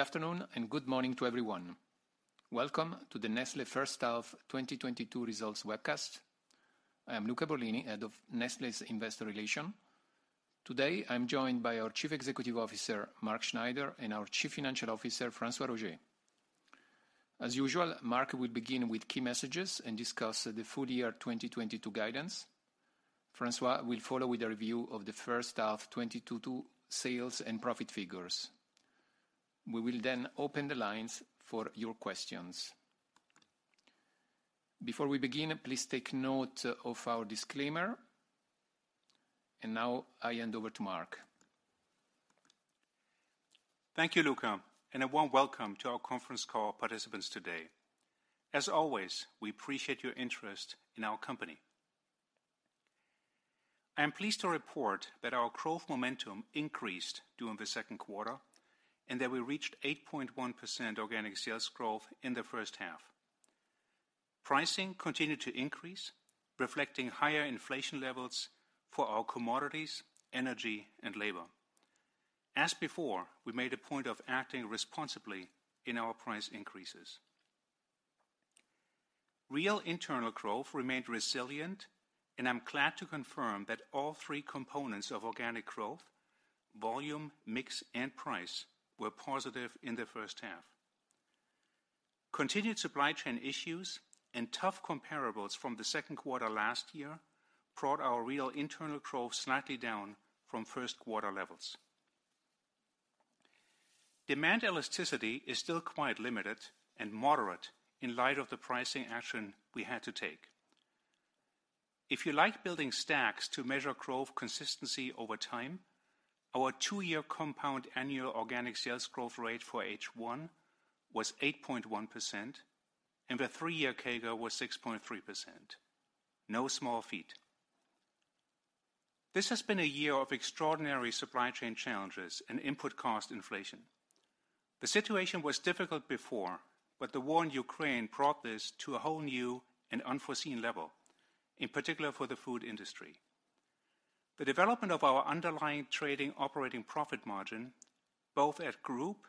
Good afternoon and good morning to everyone. Welcome to the Nestlé First Half 2022 results webcast. I am Luca Borlini, Head of Investor Relations, Nestlé. Today, I'm joined by our Chief Executive Officer, Mark Schneider, and our Chief Financial Officer, François-Xavier Roger. As usual, Mark will begin with key messages and discuss the full year 2022 guidance. François will follow with a review of the first half 2022 sales and profit figures. We will then open the lines for your questions. Before we begin, please take note of our disclaimer. Now I hand over to Mark. Thank you, Luca, and a warm welcome to our conference call participants today. As always, we appreciate your interest in our company. I am pleased to report that our growth momentum increased during the second quarter, and that we reached 8.1% organic sales growth in the first half. Pricing continued to increase, reflecting higher inflation levels for our commodities, energy, and labor. As before, we made a point of acting responsibly in our price increases. Real internal growth remained resilient, and I'm glad to confirm that all three components of organic growth, volume, mix, and price, were positive in the first half. Continued supply chain issues and tough comparables from the second quarter last year brought our real internal growth slightly down from first quarter levels. Demand elasticity is still quite limited and moderate in light of the pricing action we had to take. If you like building stacks to measure growth consistency over time, our two-year compound annual organic sales growth rate for H1 was 8.1%, and the three-year CAGR was 6.3%. No small feat. This has been a year of extraordinary supply chain challenges and input cost inflation. The situation was difficult before, but the war in Ukraine brought this to a whole new and unforeseen level, in particular for the food industry. The development of our underlying trading operating profit margin, both at group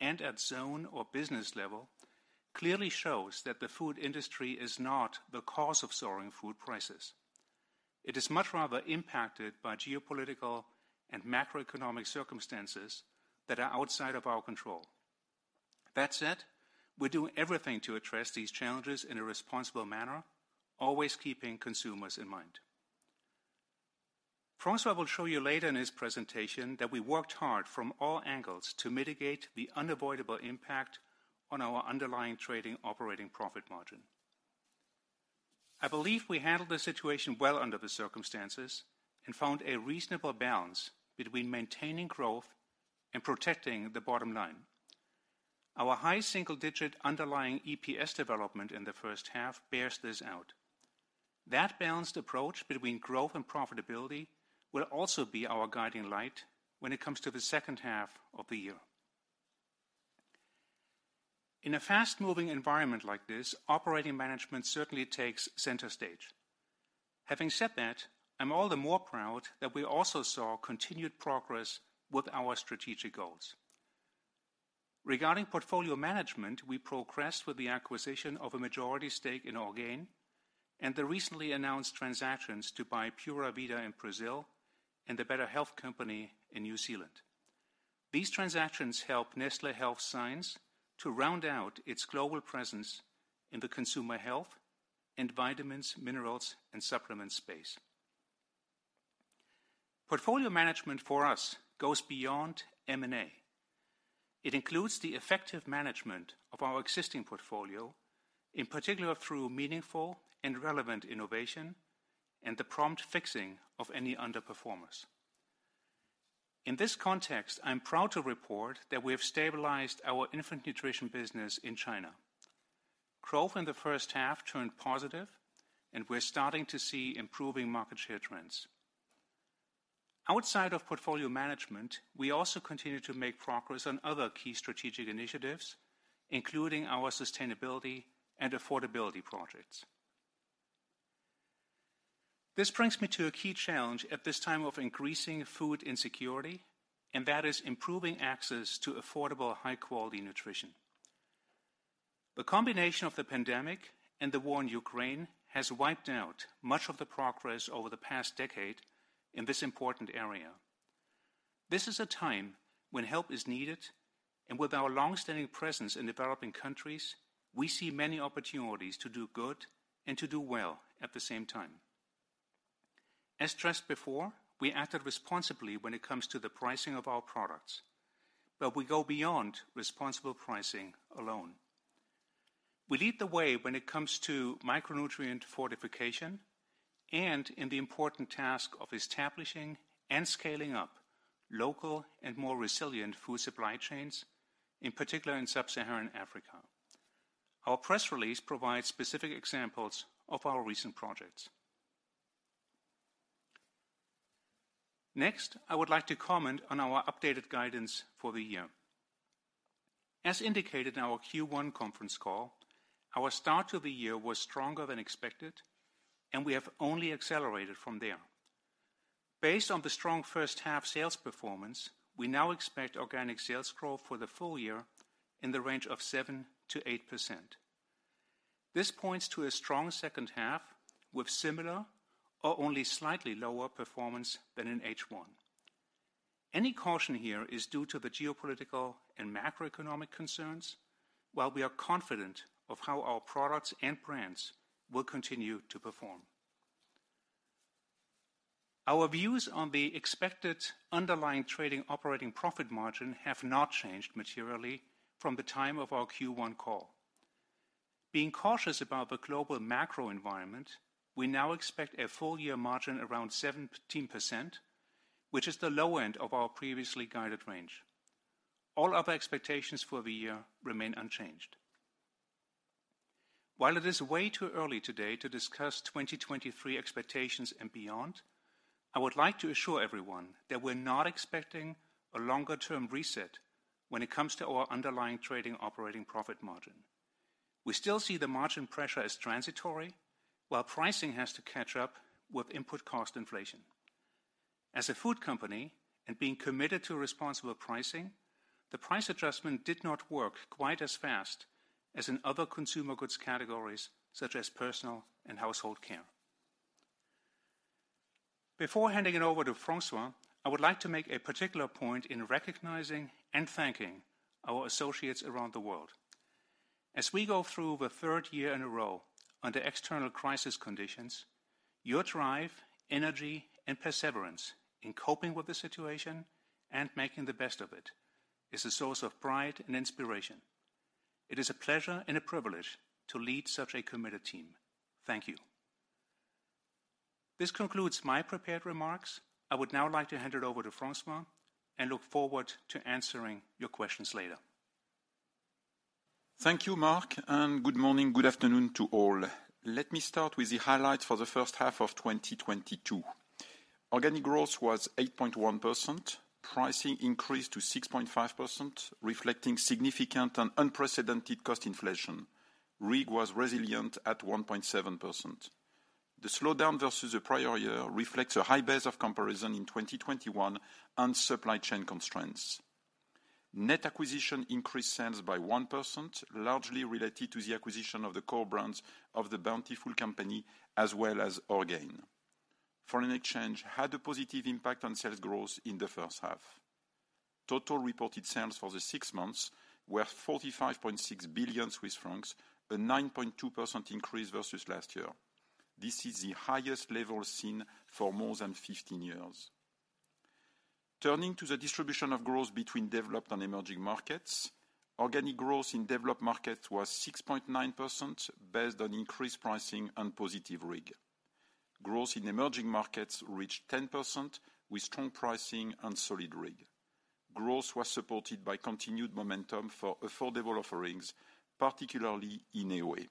and at zone or business level, clearly shows that the food industry is not the cause of soaring food prices. It is much rather impacted by geopolitical and macroeconomic circumstances that are outside of our control. That said, we're doing everything to address these challenges in a responsible manner, always keeping consumers in mind. François will show you later in his presentation that we worked hard from all angles to mitigate the unavoidable impact on our Underlying Trading Operating Profit Margin. I believe we handled the situation well under the circumstances, and found a reasonable balance between maintaining growth and protecting the bottom line. Our high single digit underlying EPS development in the first half bears this out. That balanced approach between growth and profitability will also be our guiding light when it comes to the second half of the year. In a fast moving environment like this, operating management certainly takes center stage. Having said that, I'm all the more proud that we also saw continued progress with our strategic goals. Regarding portfolio management, we progressed with the acquisition of a majority stake in Orgain, and the recently announced transactions to buy Puravida in Brazil and The Better Health Company in New Zealand. These transactions help Nestlé Health Science to round out its global presence in the consumer health and vitamins, minerals, and supplements space. Portfolio management for us goes beyond M&A. It includes the effective management of our existing portfolio, in particular through meaningful and relevant innovation, and the prompt fixing of any underperformers. In this context, I'm proud to report that we have stabilized our infant nutrition business in China. Growth in the first half turned positive, and we're starting to see improving market share trends. Outside of portfolio management, we also continue to make progress on other key strategic initiatives, including our sustainability and affordability projects. This brings me to a key challenge at this time of increasing food insecurity, and that is improving access to affordable, high quality nutrition. The combination of the pandemic and the war in Ukraine has wiped out much of the progress over the past decade in this important area. This is a time when help is needed, and with our long-standing presence in developing countries, we see many opportunities to do good and to do well at the same time. As stressed before, we acted responsibly when it comes to the pricing of our products, but we go beyond responsible pricing alone. We lead the way when it comes to micronutrient fortification and in the important task of establishing and scaling up local and more resilient food supply chains, in particular in sub-Saharan Africa. Our press release provides specific examples of our recent projects. Next, I would like to comment on our updated guidance for the year. As indicated in our Q1 conference call, our start to the year was stronger than expected, and we have only accelerated from there. Based on the strong first half sales performance, we now expect organic sales growth for the full year in the range of 7%-8%. This points to a strong second half with similar or only slightly lower performance than in H1. Any caution here is due to the geopolitical and macroeconomic concerns, while we are confident of how our products and brands will continue to perform. Our views on the expected Underlying Trading Operating Profit Margin have not changed materially from the time of our Q1 call. Being cautious about the global macro environment, we now expect a full-year margin around 17%, which is the low end of our previously guided range. All other expectations for the year remain unchanged. While it is way too early today to discuss 2023 expectations and beyond, I would like to assure everyone that we're not expecting a longer-term reset when it comes to our Underlying Trading Operating Profit Margin. We still see the margin pressure as transitory, while pricing has to catch up with input cost inflation. As a food company and being committed to responsible pricing, the price adjustment did not work quite as fast as in other consumer goods categories such as personal and household care. Before handing it over to François, I would like to make a particular point in recognizing and thanking our associates around the world. As we go through the third year in a row under external crisis conditions, your drive, energy, and perseverance in coping with the situation and making the best of it is a source of pride and inspiration. It is a pleasure and a privilege to lead such a committed team. Thank you. This concludes my prepared remarks. I would now like to hand it over to François and look forward to answering your questions later. Thank you, Mark, and good morning, good afternoon to all. Let me start with the highlights for the first half of 2022. Organic growth was 8.1%. Pricing increased to 6.5%, reflecting significant and unprecedented cost inflation. RIG was resilient at 1.7%. The slowdown versus the prior year reflects a high base of comparison in 2021 and supply chain constraints. Net acquisitions increased sales by 1%, largely related to the acquisition of the core brands of the Bountiful Company, as well as Orgain. Foreign exchange had a positive impact on sales growth in the first half. Total reported sales for the six months were 45.6 billion Swiss francs, a 9.2% increase versus last year. This is the highest level seen for more than 15 years. Turning to the distribution of growth between developed and emerging markets, organic growth in developed markets was 6.9% based on increased pricing and positive RIG. Growth in emerging markets reached 10% with strong pricing and solid RIG. Growth was supported by continued momentum for affordable offerings, particularly in AOA.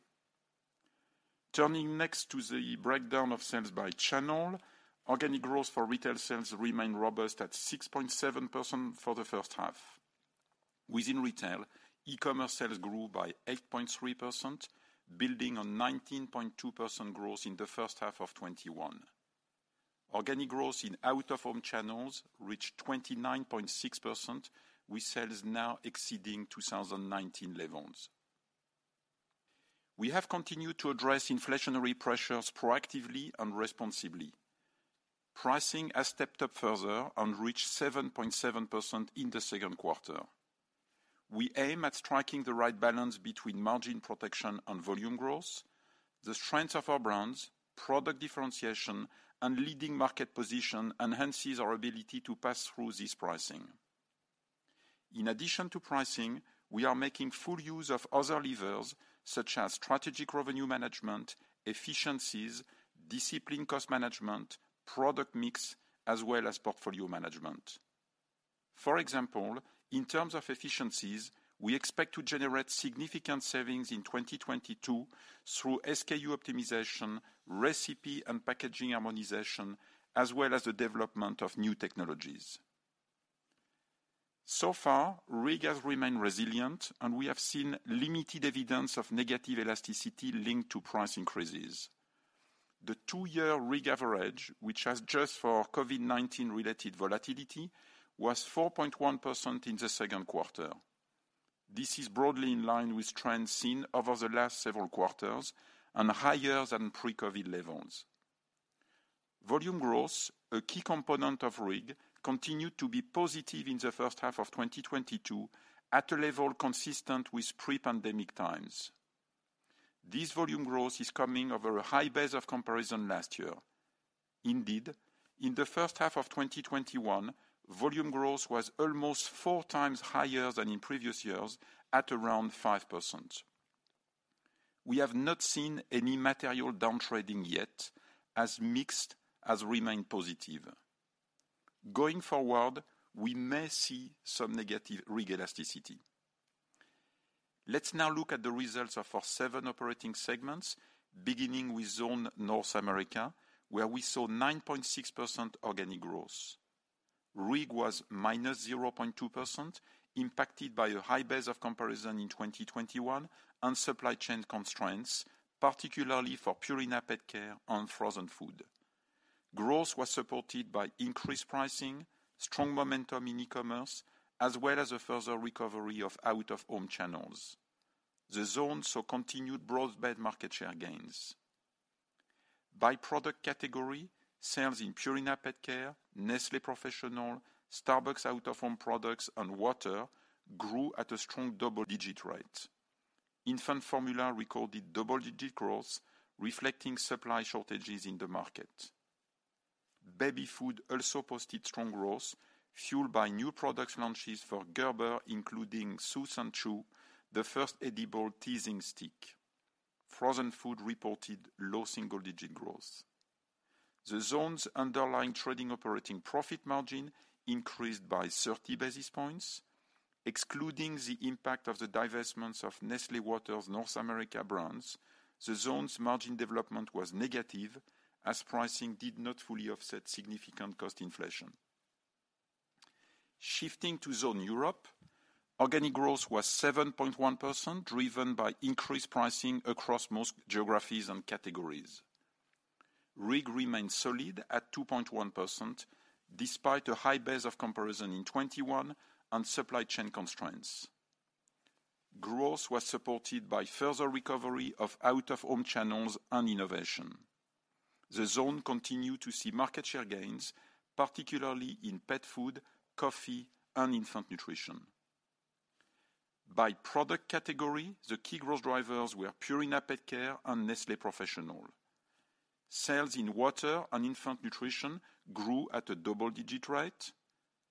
Turning next to the breakdown of sales by channel, organic growth for retail sales remained robust at 6.7% for the first half. Within retail, e-commerce sales grew by 8.3%, building on 19.2% growth in the first half of 2021. Organic growth in out-of-home channels reached 29.6%, with sales now exceeding 2019 levels. We have continued to address inflationary pressures proactively and responsibly. Pricing has stepped up further and reached 7.7% in the second quarter. We aim at striking the right balance between margin protection and volume growth. The strength of our brands, product differentiation, and leading market position enhances our ability to pass through this pricing. In addition to pricing, we are making full use of other levers, such as strategic revenue management, efficiencies, disciplined cost management, product mix, as well as portfolio management. For example, in terms of efficiencies, we expect to generate significant savings in 2022 through SKU optimization, recipe and packaging harmonization, as well as the development of new technologies. So far, RIG has remained resilient, and we have seen limited evidence of negative elasticity linked to price increases. The two-year RIG average, which has adjusted for COVID-19 related volatility, was 4.1% in the second quarter. This is broadly in line with trends seen over the last several quarters and higher than pre-COVID levels. Volume growth, a key component of RIG, continued to be positive in the first half of 2022 at a level consistent with pre-pandemic times. This volume growth is coming over a high base of comparison last year. Indeed, in the first half of 2021, volume growth was almost four times higher than in previous years at around 5%. We have not seen any material downtrading yet, as mix has remained positive. Going forward, we may see some negative RIG elasticity. Let's now look at the results of our seven operating segments, beginning with Zone North America, where we saw 9.6% organic growth. RIG was -0.2% impacted by a high base of comparison in 2021 and supply chain constraints, particularly for Purina PetCare and frozen food. Growth was supported by increased pricing, strong momentum in e-commerce, as well as a further recovery of out-of-home channels. The zone saw continued broad-based market share gains. By product category, sales in Purina PetCare, Nestlé Professional, Starbucks out-of-home products and water grew at a strong double-digit rate. Infant formula recorded double-digit growth, reflecting supply shortages in the market. Baby food also posted strong growth fueled by new product launches for Gerber, including Soothe 'n' Chew, the first edible teething stick. Frozen food reported low single-digit growth. The zone's underlying trading operating profit margin increased by 30 basis points, excluding the impact of the divestments of Nestlé Waters North America brands. The zone's margin development was negative as pricing did not fully offset significant cost inflation. Shifting to Zone Europe, organic growth was 7.1%, driven by increased pricing across most geographies and categories. RIG remained solid at 2.1% despite a high base of comparison in 2021 and supply chain constraints. Growth was supported by further recovery of out-of-home channels and innovation. The zone continued to see market share gains, particularly in pet food, coffee and infant nutrition. By product category, the key growth drivers were Purina PetCare and Nestlé Professional. Sales in water and infant nutrition grew at a double-digit rate.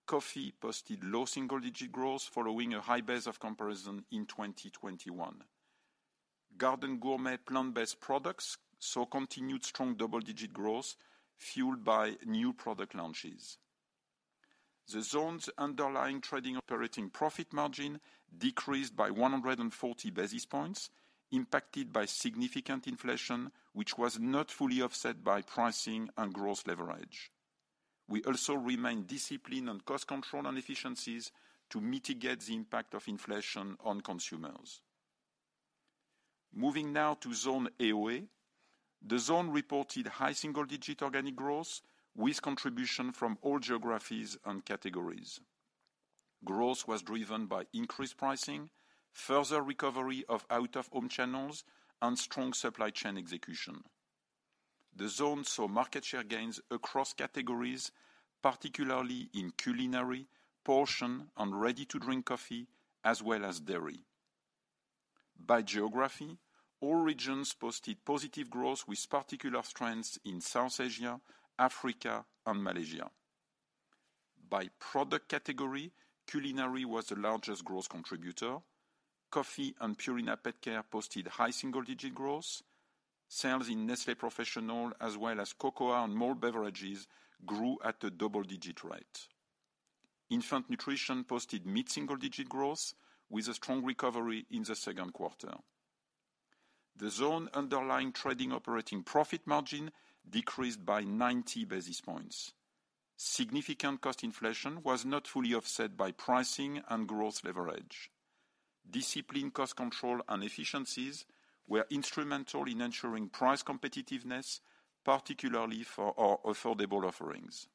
Coffee posted low single-digit growth following a high base of comparison in 2021. Garden Gourmet plant-based products saw continued strong double-digit growth fueled by new product launches. The zone's underlying trading operating profit margin decreased by 140 basis points, impacted by significant inflation, which was not fully offset by pricing and gross leverage. We also remain disciplined on cost control and efficiencies to mitigate the impact of inflation on consumers. Moving now to Zone AOA. The zone reported high single-digit organic growth with contribution from all geographies and categories. Growth was driven by increased pricing, further recovery of out-of-home channels and strong supply chain execution. The zone saw market share gains across categories, particularly in culinary, portion and ready-to-drink coffee as well as dairy. By geography, all regions posted positive growth with particular strengths in South Asia, Africa and Malaysia. By product category, culinary was the largest growth contributor. Coffee and Purina PetCare posted high single-digit growth. Sales in Nestlé Professional as well as cocoa and malt beverages grew at a double-digit rate. Infant nutrition posted mid-single digit growth with a strong recovery in the second quarter. The zone Underlying Trading Operating Profit Margin decreased by 90 basis points. Significant cost inflation was not fully offset by pricing and growth leverage. Discipline, cost control and efficiencies were instrumental in ensuring price competitiveness, particularly for our affordable offerings.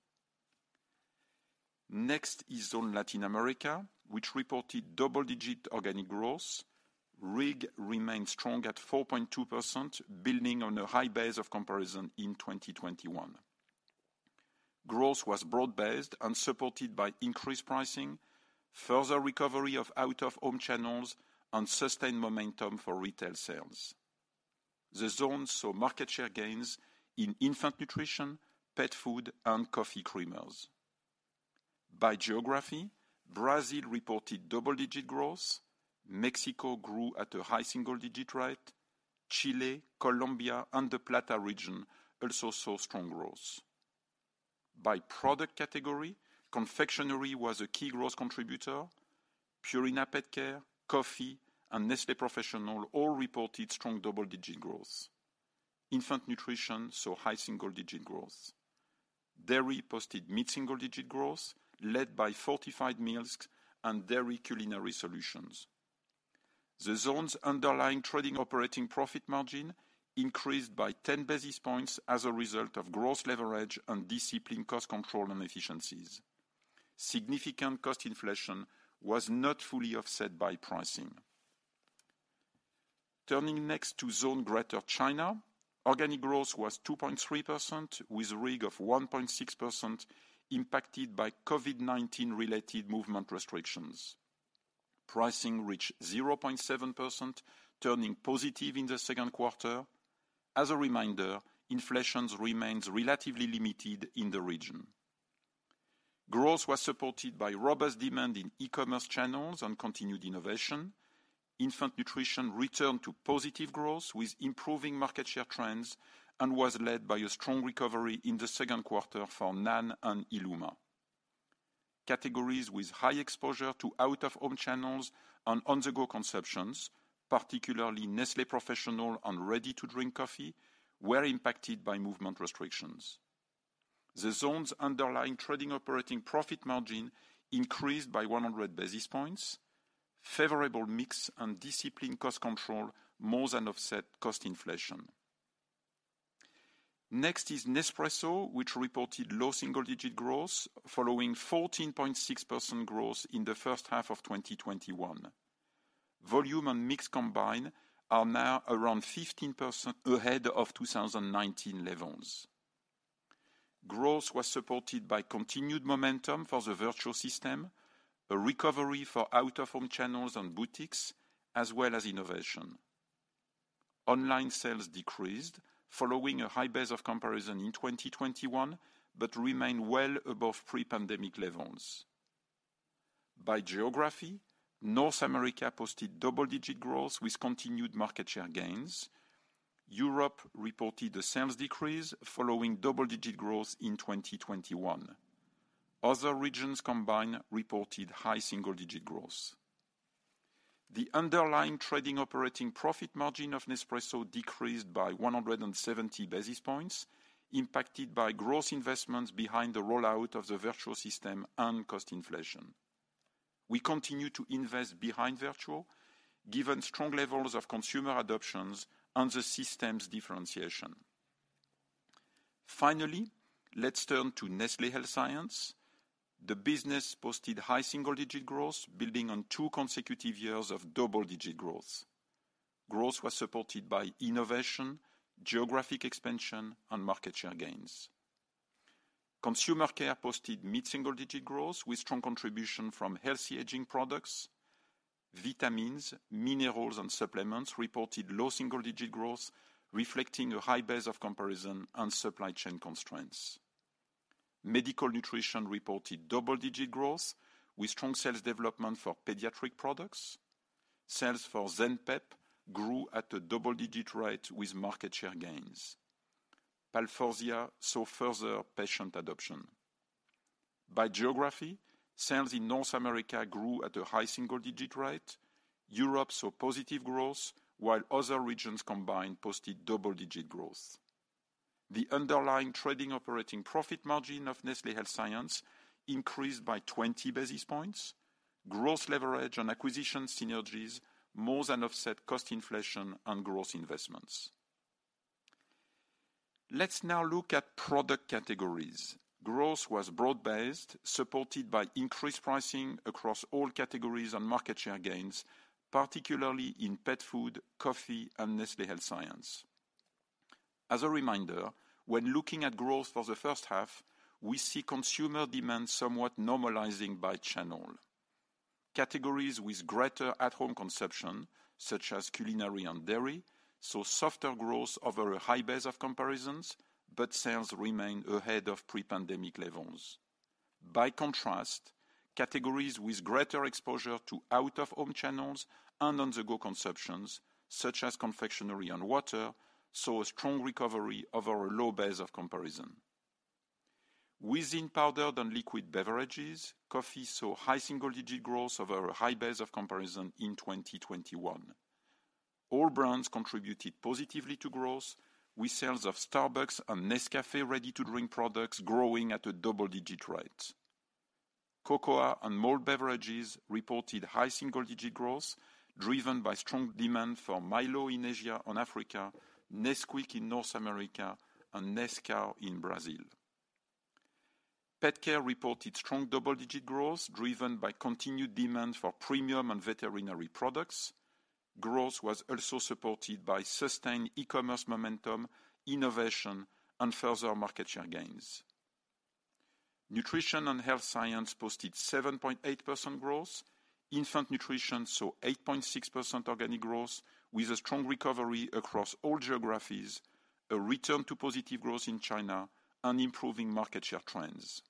Next is Zone Latin America, which reported double-digit organic growth. RIG remained strong at 4.2%, building on a high base of comparison in 2021. Growth was broad-based and supported by increased pricing, further recovery of out-of-home channels and sustained momentum for retail sales. The zone saw market share gains in infant nutrition, pet food and coffee creamers. By geography, Brazil reported double-digit growth. Mexico grew at a high single-digit rate. Chile, Colombia and the Plata region also saw strong growth. By product category, confectionery was a key growth contributor. Purina PetCare, coffee and Nestlé Professional all reported strong double-digit growth. Infant nutrition saw high single-digit growth. Dairy posted mid-single digit growth led by fortified milks and dairy culinary solutions. The zone's underlying trading operating profit margin increased by 10 basis points as a result of growth leverage and disciplined cost control and efficiencies. Significant cost inflation was not fully offset by pricing. Turning next to Zone Greater China, organic growth was 2.3% with RIG of 1.6% impacted by COVID-19 related movement restrictions. Pricing reached 0.7%, turning positive in the second quarter. As a reminder, inflation remains relatively limited in the region. Growth was supported by robust demand in e-commerce channels and continued innovation. Infant nutrition returned to positive growth with improving market share trends and was led by a strong recovery in the second quarter for NAN and illuma. Categories with high exposure to out-of-home channels and on-the-go consumptions, particularly Nestlé Professional and ready-to-drink coffee, were impacted by movement restrictions. The zones' Underlying Trading Operating Profit Margin increased by 100 basis points. Favorable mix and disciplined cost control more than offset cost inflation. Next is Nespresso, which reported low single-digit growth following 14.6% growth in the first half of 2021. Volume and mix combined are now around 15% ahead of 2019 levels. Growth was supported by continued momentum for the Vertuo system, a recovery for out-of-home channels and boutiques, as well as innovation. Online sales decreased following a high base of comparison in 2021, but remain well above pre-pandemic levels. By geography, North America posted double-digit growth with continued market share gains. Europe reported a sales decrease following double-digit growth in 2021. Other regions combined reported high single-digit growth. The underlying trading operating profit margin of Nespresso decreased by 170 basis points, impacted by growth investments behind the rollout of the Vertuo system and cost inflation. We continue to invest behind Vertuo, given strong levels of consumer adoptions and the system's differentiation. Finally, let's turn to Nestlé Health Science. The business posted high single-digit growth, building on two consecutive years of double-digit growth. Growth was supported by innovation, geographic expansion, and market share gains. Consumer care posted mid-single-digit growth with strong contribution from healthy aging products. Vitamins, minerals, and supplements reported low single-digit growth, reflecting a high base of comparison and supply chain constraints. Medical nutrition reported double-digit growth with strong sales development for pediatric products. Sales for Zenpep grew at a double-digit rate with market share gains. Palforzia saw further patient adoption. By geography, sales in North America grew at a high single-digit rate. Europe saw positive growth, while other regions combined posted double-digit growth. The Underlying Trading Operating Profit Margin of Nestlé Health Science increased by 20 basis points. Growth leverage and acquisition synergies more than offset cost inflation and growth investments. Let's now look at product categories. Growth was broad-based, supported by increased pricing across all categories and market share gains, particularly in pet food, coffee, and Nestlé Health Science. As a reminder, when looking at growth for the first half, we see consumer demand somewhat normalizing by channel. Categories with greater at home consumption, such as culinary and dairy, saw softer growth over a high base of comparisons, but sales remain ahead of pre-pandemic levels. By contrast, categories with greater exposure to out of home channels and on the go consumptions, such as confectionery and water, saw a strong recovery over a low base of comparison. Within powdered and liquid beverages, coffee saw high single-digit growth over a high base of comparison in 2021. All brands contributed positively to growth, with sales of Starbucks and Nescafé ready-to-drink products growing at a double-digit rate. Cocoa and malt beverages reported high single-digit growth, driven by strong demand for Milo in Asia and Africa, Nesquik in North America, and Nescau in Brazil. Pet care reported strong double-digit growth driven by continued demand for premium and veterinary products. Growth was also supported by sustained e-commerce momentum, innovation, and further market share gains. Nutrition and health science posted 7.8% growth. Infant nutrition saw 8.6% organic growth with a strong recovery across all geographies, a return to positive growth in China, and improving market share trends.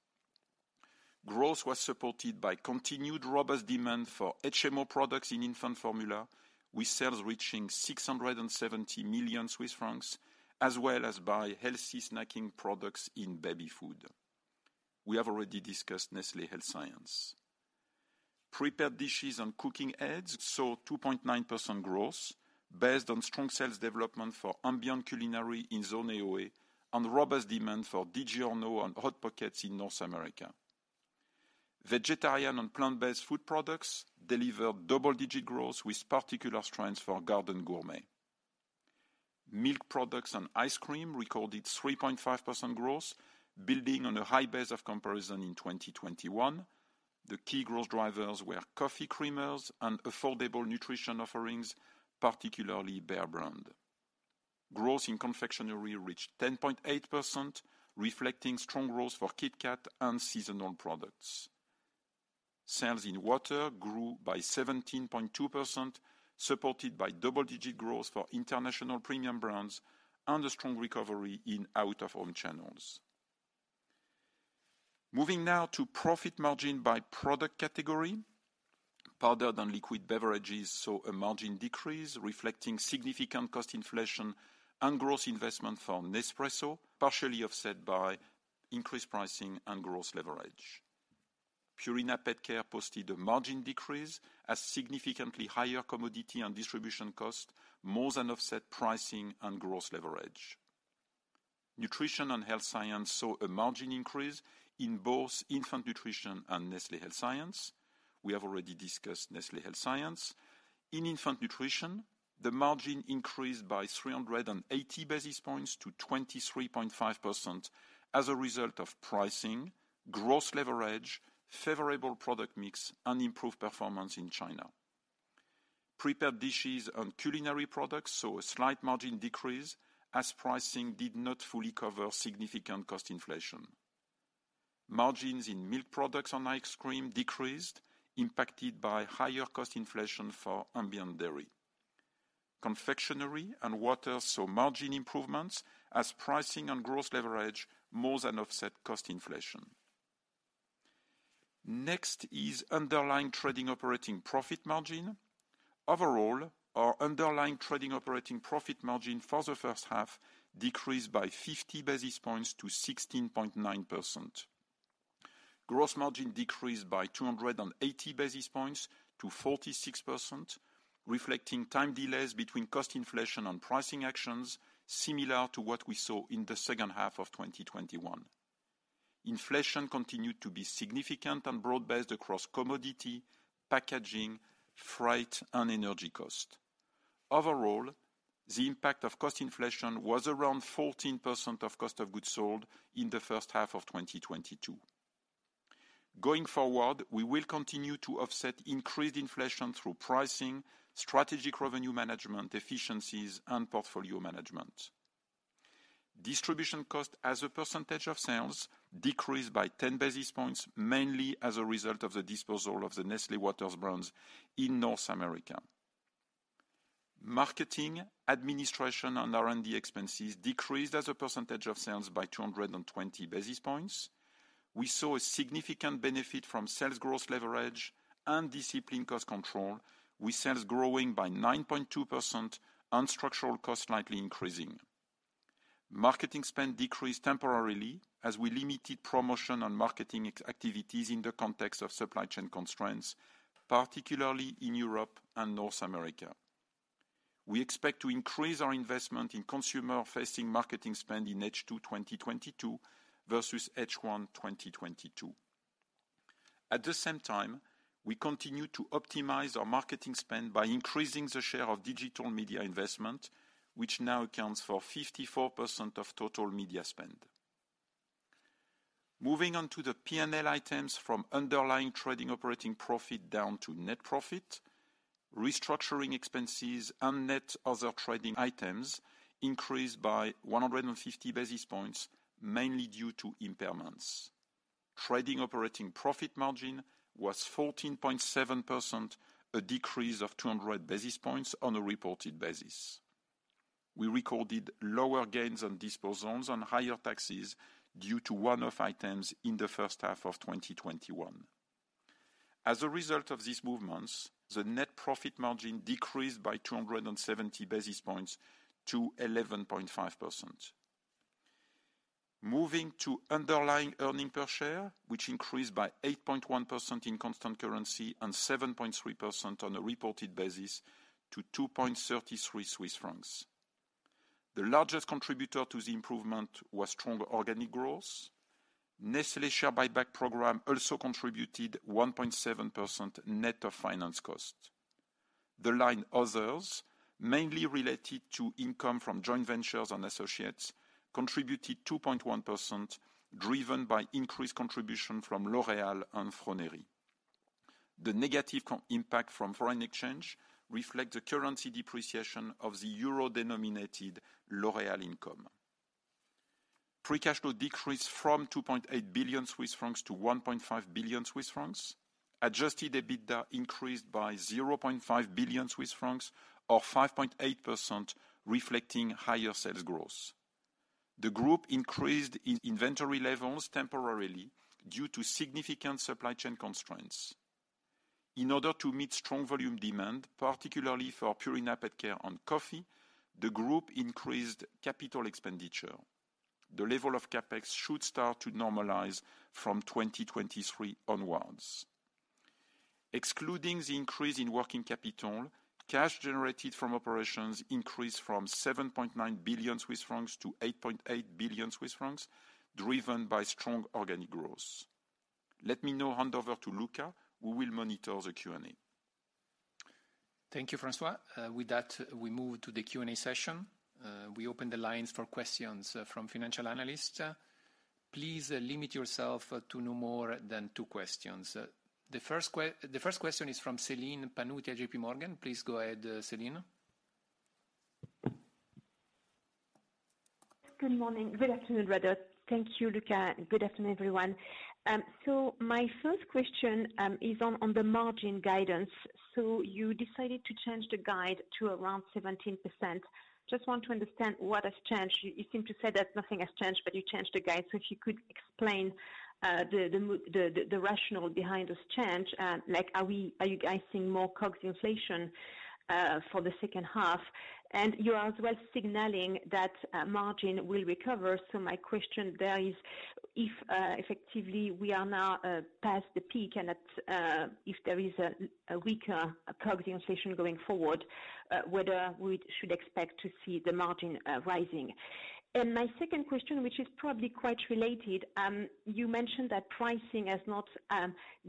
Growth was supported by continued robust demand for HMO products in infant formula, with sales reaching 670 million Swiss francs, as well as by healthy snacking products in baby food. We have already discussed Nestlé Health Science. Prepared dishes and cooking aids saw 2.9% growth based on strong sales development for ambient culinary in zone AOA and robust demand for DiGiorno and Hot Pockets in North America. Vegetarian and plant-based food products delivered double-digit growth with particular strengths for Garden Gourmet. Milk products and ice cream recorded 3.5% growth, building on a high base of comparison in 2021. The key growth drivers were coffee creamers and affordable nutrition offerings, particularly Bear Brand. Growth in confectionery reached 10.8%, reflecting strong growth for Kit Kat and seasonal products. Sales in water grew by 17.2%, supported by double-digit growth for international premium brands and a strong recovery in out-of-home channels. Moving now to profit margin by product category. Powdered and liquid beverages saw a margin decrease, reflecting significant cost inflation and growth investment from Nespresso, partially offset by increased pricing and growth leverage. Purina PetCare posted a margin decrease as significantly higher commodity and distribution costs more than offset pricing and gross leverage. Nutrition and Health Science saw a margin increase in both Infant Nutrition and Nestlé Health Science. We have already discussed Nestlé Health Science. In Infant Nutrition, the margin increased by 380 basis points to 23.5% as a result of pricing, gross leverage, favorable product mix, and improved performance in China. Prepared dishes and culinary products saw a slight margin decrease as pricing did not fully cover significant cost inflation. Margins in milk products on ice cream decreased, impacted by higher cost inflation for ambient dairy. Confectionery and water saw margin improvements as pricing and gross leverage more than offset cost inflation. Next is Underlying Trading Operating Profit Margin. Overall, our Underlying Trading Operating Profit Margin for the first half decreased by 50 basis points to 16.9%. Gross margin decreased by 280 basis points to 46%, reflecting time delays between cost inflation and pricing actions similar to what we saw in the second half of 2021. Inflation continued to be significant and broad-based across commodity, packaging, freight and energy cost. Overall, the impact of cost inflation was around 14% of cost of goods sold in the first half of 2022. Going forward, we will continue to offset increased inflation through pricing, strategic revenue management efficiencies and portfolio management. Distribution cost as a percentage of sales decreased by 10 basis points, mainly as a result of the disposal of the Nestlé Waters brands in North America. Marketing, administration and R&D expenses decreased as a percentage of sales by 220 basis points. We saw a significant benefit from sales growth leverage and disciplined cost control, with sales growing by 9.2% and structural costs slightly increasing. Marketing spend decreased temporarily as we limited promotion on marketing external activities in the context of supply chain constraints, particularly in Europe and North America. We expect to increase our investment in consumer-facing marketing spend in H2 2022 versus H1 2022. At the same time, we continue to optimize our marketing spend by increasing the share of digital media investment, which now accounts for 54% of total media spend. Moving on to the P&L items from underlying trading operating profit down to net profit. Restructuring expenses and net other trading items increased by 150 basis points, mainly due to impairments. Trading operating profit margin was 14.7%, a decrease of 200 basis points on a reported basis. We recorded lower gains on disposals and higher taxes due to one-off items in the first half of 2021. As a result of these movements, the net profit margin decreased by 270 basis points to 11.5%. Moving to underlying earnings per share, which increased by 8.1% in constant currency and 7.3% on a reported basis to 2.33 Swiss francs. The largest contributor to the improvement was stronger organic growth. Nestlé share buyback program also contributed 1.7% net of finance cost. The line others, mainly related to income from joint ventures and associates, contributed 2.1%, driven by increased contribution from L'Oréal and Froneri. The negative co-impact from foreign exchange reflect the currency depreciation of the euro-denominated L'Oréal income. Free cash flow decreased from 2.8 billion-1.5 billion Swiss francs. Adjusted EBITDA increased by 0.5 billion Swiss francs, or 5.8%, reflecting higher sales growth. The group increased in inventory levels temporarily due to significant supply chain constraints. In order to meet strong volume demand, particularly for Purina PetCare and coffee, the group increased capital expenditure. The level of CapEx should start to normalize from 2023 onwards. Excluding the increase in working capital, cash generated from operations increased from 7.9 billion-8.8 billion Swiss francs, driven by strong organic growth. Let me now hand over to Luca, who will monitor the Q&A. Thank you, François. With that, we move to the Q&A session. We open the lines for questions from financial analysts. Please limit yourself to no more than two questions. The first question is from Celine Pannuti at JPMorgan. Please go ahead, Celine. Good morning. Good afternoon, rather. Thank you, Luca. Good afternoon, everyone. My first question is on the margin guidance. You decided to change the guide to around 17%. Just want to understand what has changed. You seem to say that nothing has changed, but you changed the guide. If you could explain the rationale behind this change. Like, are you guys seeing more cost inflation for the second half? You are as well signaling that margin will recover. My question there is, if effectively we are now past the peak and if there is a weaker COGS inflation going forward, whether we should expect to see the margin rising. My second question, which is probably quite related, you mentioned that pricing has not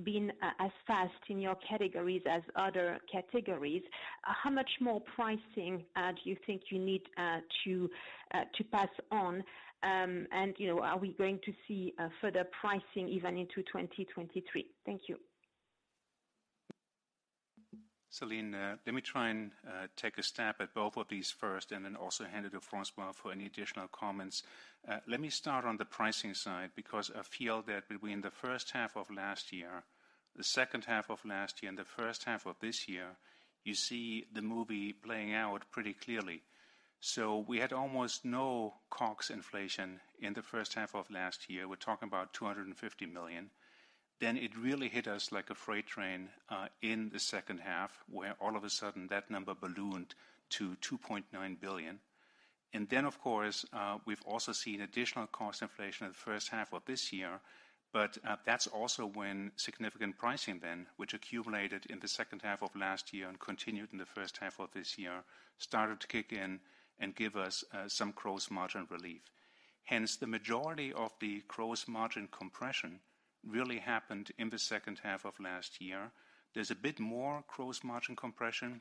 been as fast in your categories as other categories. How much more pricing do you think you need to pass on? You know, are we going to see further pricing even into 2023? Thank you. Celine, let me try and take a stab at both of these first, and then also hand it to François for any additional comments. Let me start on the pricing side, because I feel that between the first half of last year, the second half of last year, and the first half of this year, you see the movie playing out pretty clearly. We had almost no COGS inflation in the first half of last year. We're talking about 250 million. Then it really hit us like a freight train in the second half, where all of a sudden that number ballooned to 2.9 billion. Of course, we've also seen additional cost inflation in the first half of this year, but that's also when significant pricing then, which accumulated in the second half of last year and continued in the first half of this year, started to kick in and give us some gross margin relief. Hence, the majority of the gross margin compression really happened in the second half of last year. There's a bit more gross margin compression,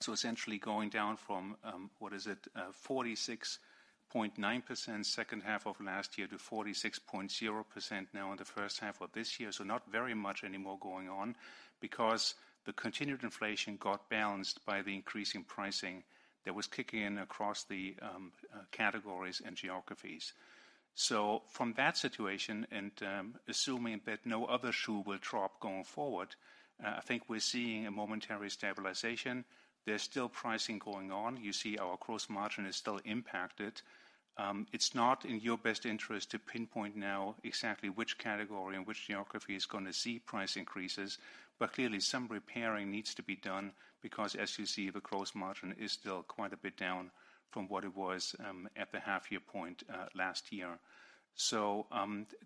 so essentially going down from 46.9% second half of last year to 46.0% now in the first half of this year. Not very much anymore going on because the continued inflation got balanced by the increasing pricing that was kicking in across the categories and geographies. From that situation, and, assuming that no other shoe will drop going forward, I think we're seeing a momentary stabilization. There's still pricing going on. You see our gross margin is still impacted. It's not in your best interest to pinpoint now exactly which category and which geography is gonna see price increases, but clearly some repairing needs to be done because as you see, the gross margin is still quite a bit down from what it was, at the half-year point, last year.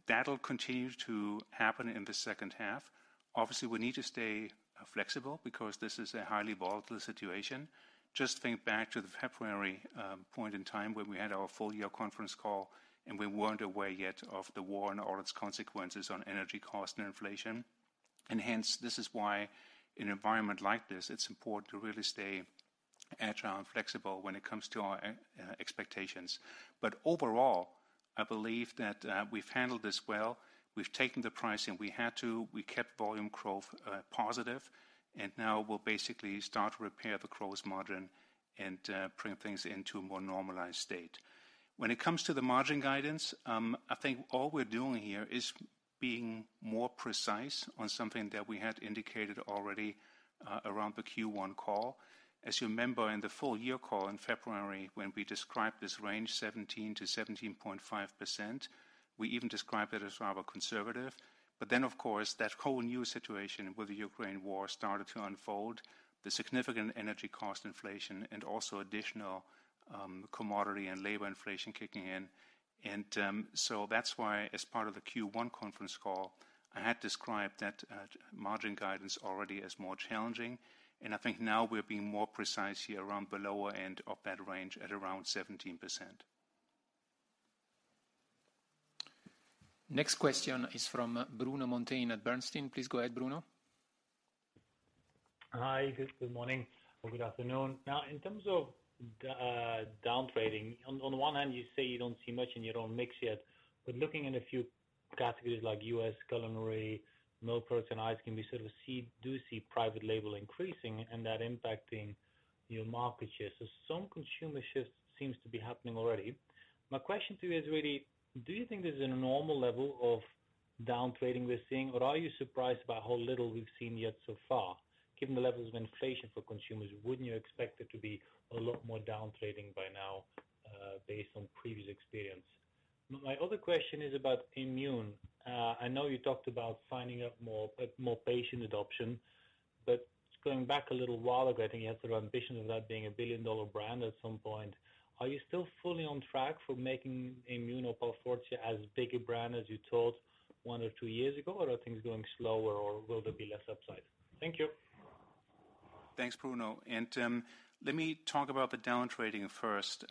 That'll continue to happen in the second half. Obviously, we need to stay flexible because this is a highly volatile situation. Just think back to the February point in time when we had our full-year conference call, and we weren't aware yet of the war and all its consequences on energy cost and inflation. Hence, this is why in an environment like this, it's important to really stay agile and flexible when it comes to our expectations. Overall, I believe that we've handled this well. We've taken the pricing we had to. We kept volume growth positive, and now we'll basically start to repair the gross margin and bring things into a more normalized state. When it comes to the margin guidance, I think all we're doing here is being more precise on something that we had indicated already around the Q1 call. As you remember in the full year call in February when we described this range 17%-17.5%, we even described it as rather conservative. Of course, that whole new situation with the Ukraine war started to unfold. The significant energy cost inflation and also additional commodity and labor inflation kicking in. That's why as part of the Q1 conference call, I had described that margin guidance already as more challenging, and I think now we're being more precise here around the lower end of that range at around 17%. Next question is from Bruno Monteyne at Bernstein. Please go ahead, Bruno. Hi, good morning or good afternoon. Now, in terms of downtrading, on one hand you say you don't see much in your own mix yet, but looking in a few categories like U.S. culinary meal protein ice cream, we sort of do see private label increasing and that impacting your market share. Some consumer shift seems to be happening already. My question to you is really, do you think this is a normal level of downtrading we're seeing, or are you surprised by how little we've seen yet so far? Given the levels of inflation for consumers, wouldn't you expect there to be a lot more downtrading by now, based on previous experience? My other question is about Aimmune. I know you talked about signing up more patient adoption, but going back a little while ago, I think you had sort of ambitions of that being a billion-dollar brand at some point. Are you still fully on track for making Aimmune or Palforzia as big a brand as you thought one or two years ago? Or are things going slower, or will there be less upside? Thank you. Thanks, Bruno. Let me talk about the downtrading first.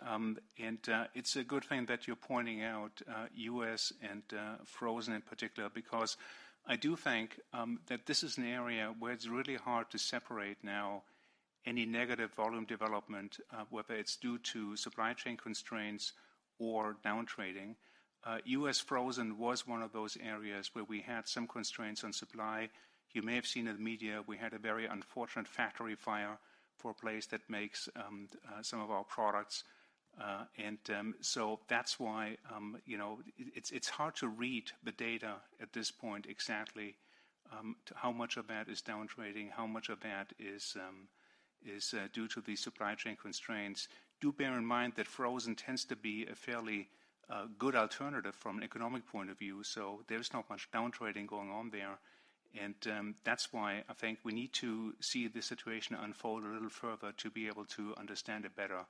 It's a good thing that you're pointing out, U.S. and frozen in particular because I do think that this is an area where it's really hard to separate now any negative volume development, whether it's due to supply chain constraints or downtrading. U.S. frozen was one of those areas where we had some constraints on supply. You may have seen in the media, we had a very unfortunate factory fire for a place that makes some of our products. That's why, you know, it's hard to read the data at this point exactly, to how much of that is downtrading, how much of that is due to the supply chain constraints. Do bear in mind that frozen tends to be a fairly good alternative from an economic point of view, so there's not much downtrading going on there. That's why I think we need to see the situation unfold a little further to be able to understand it better.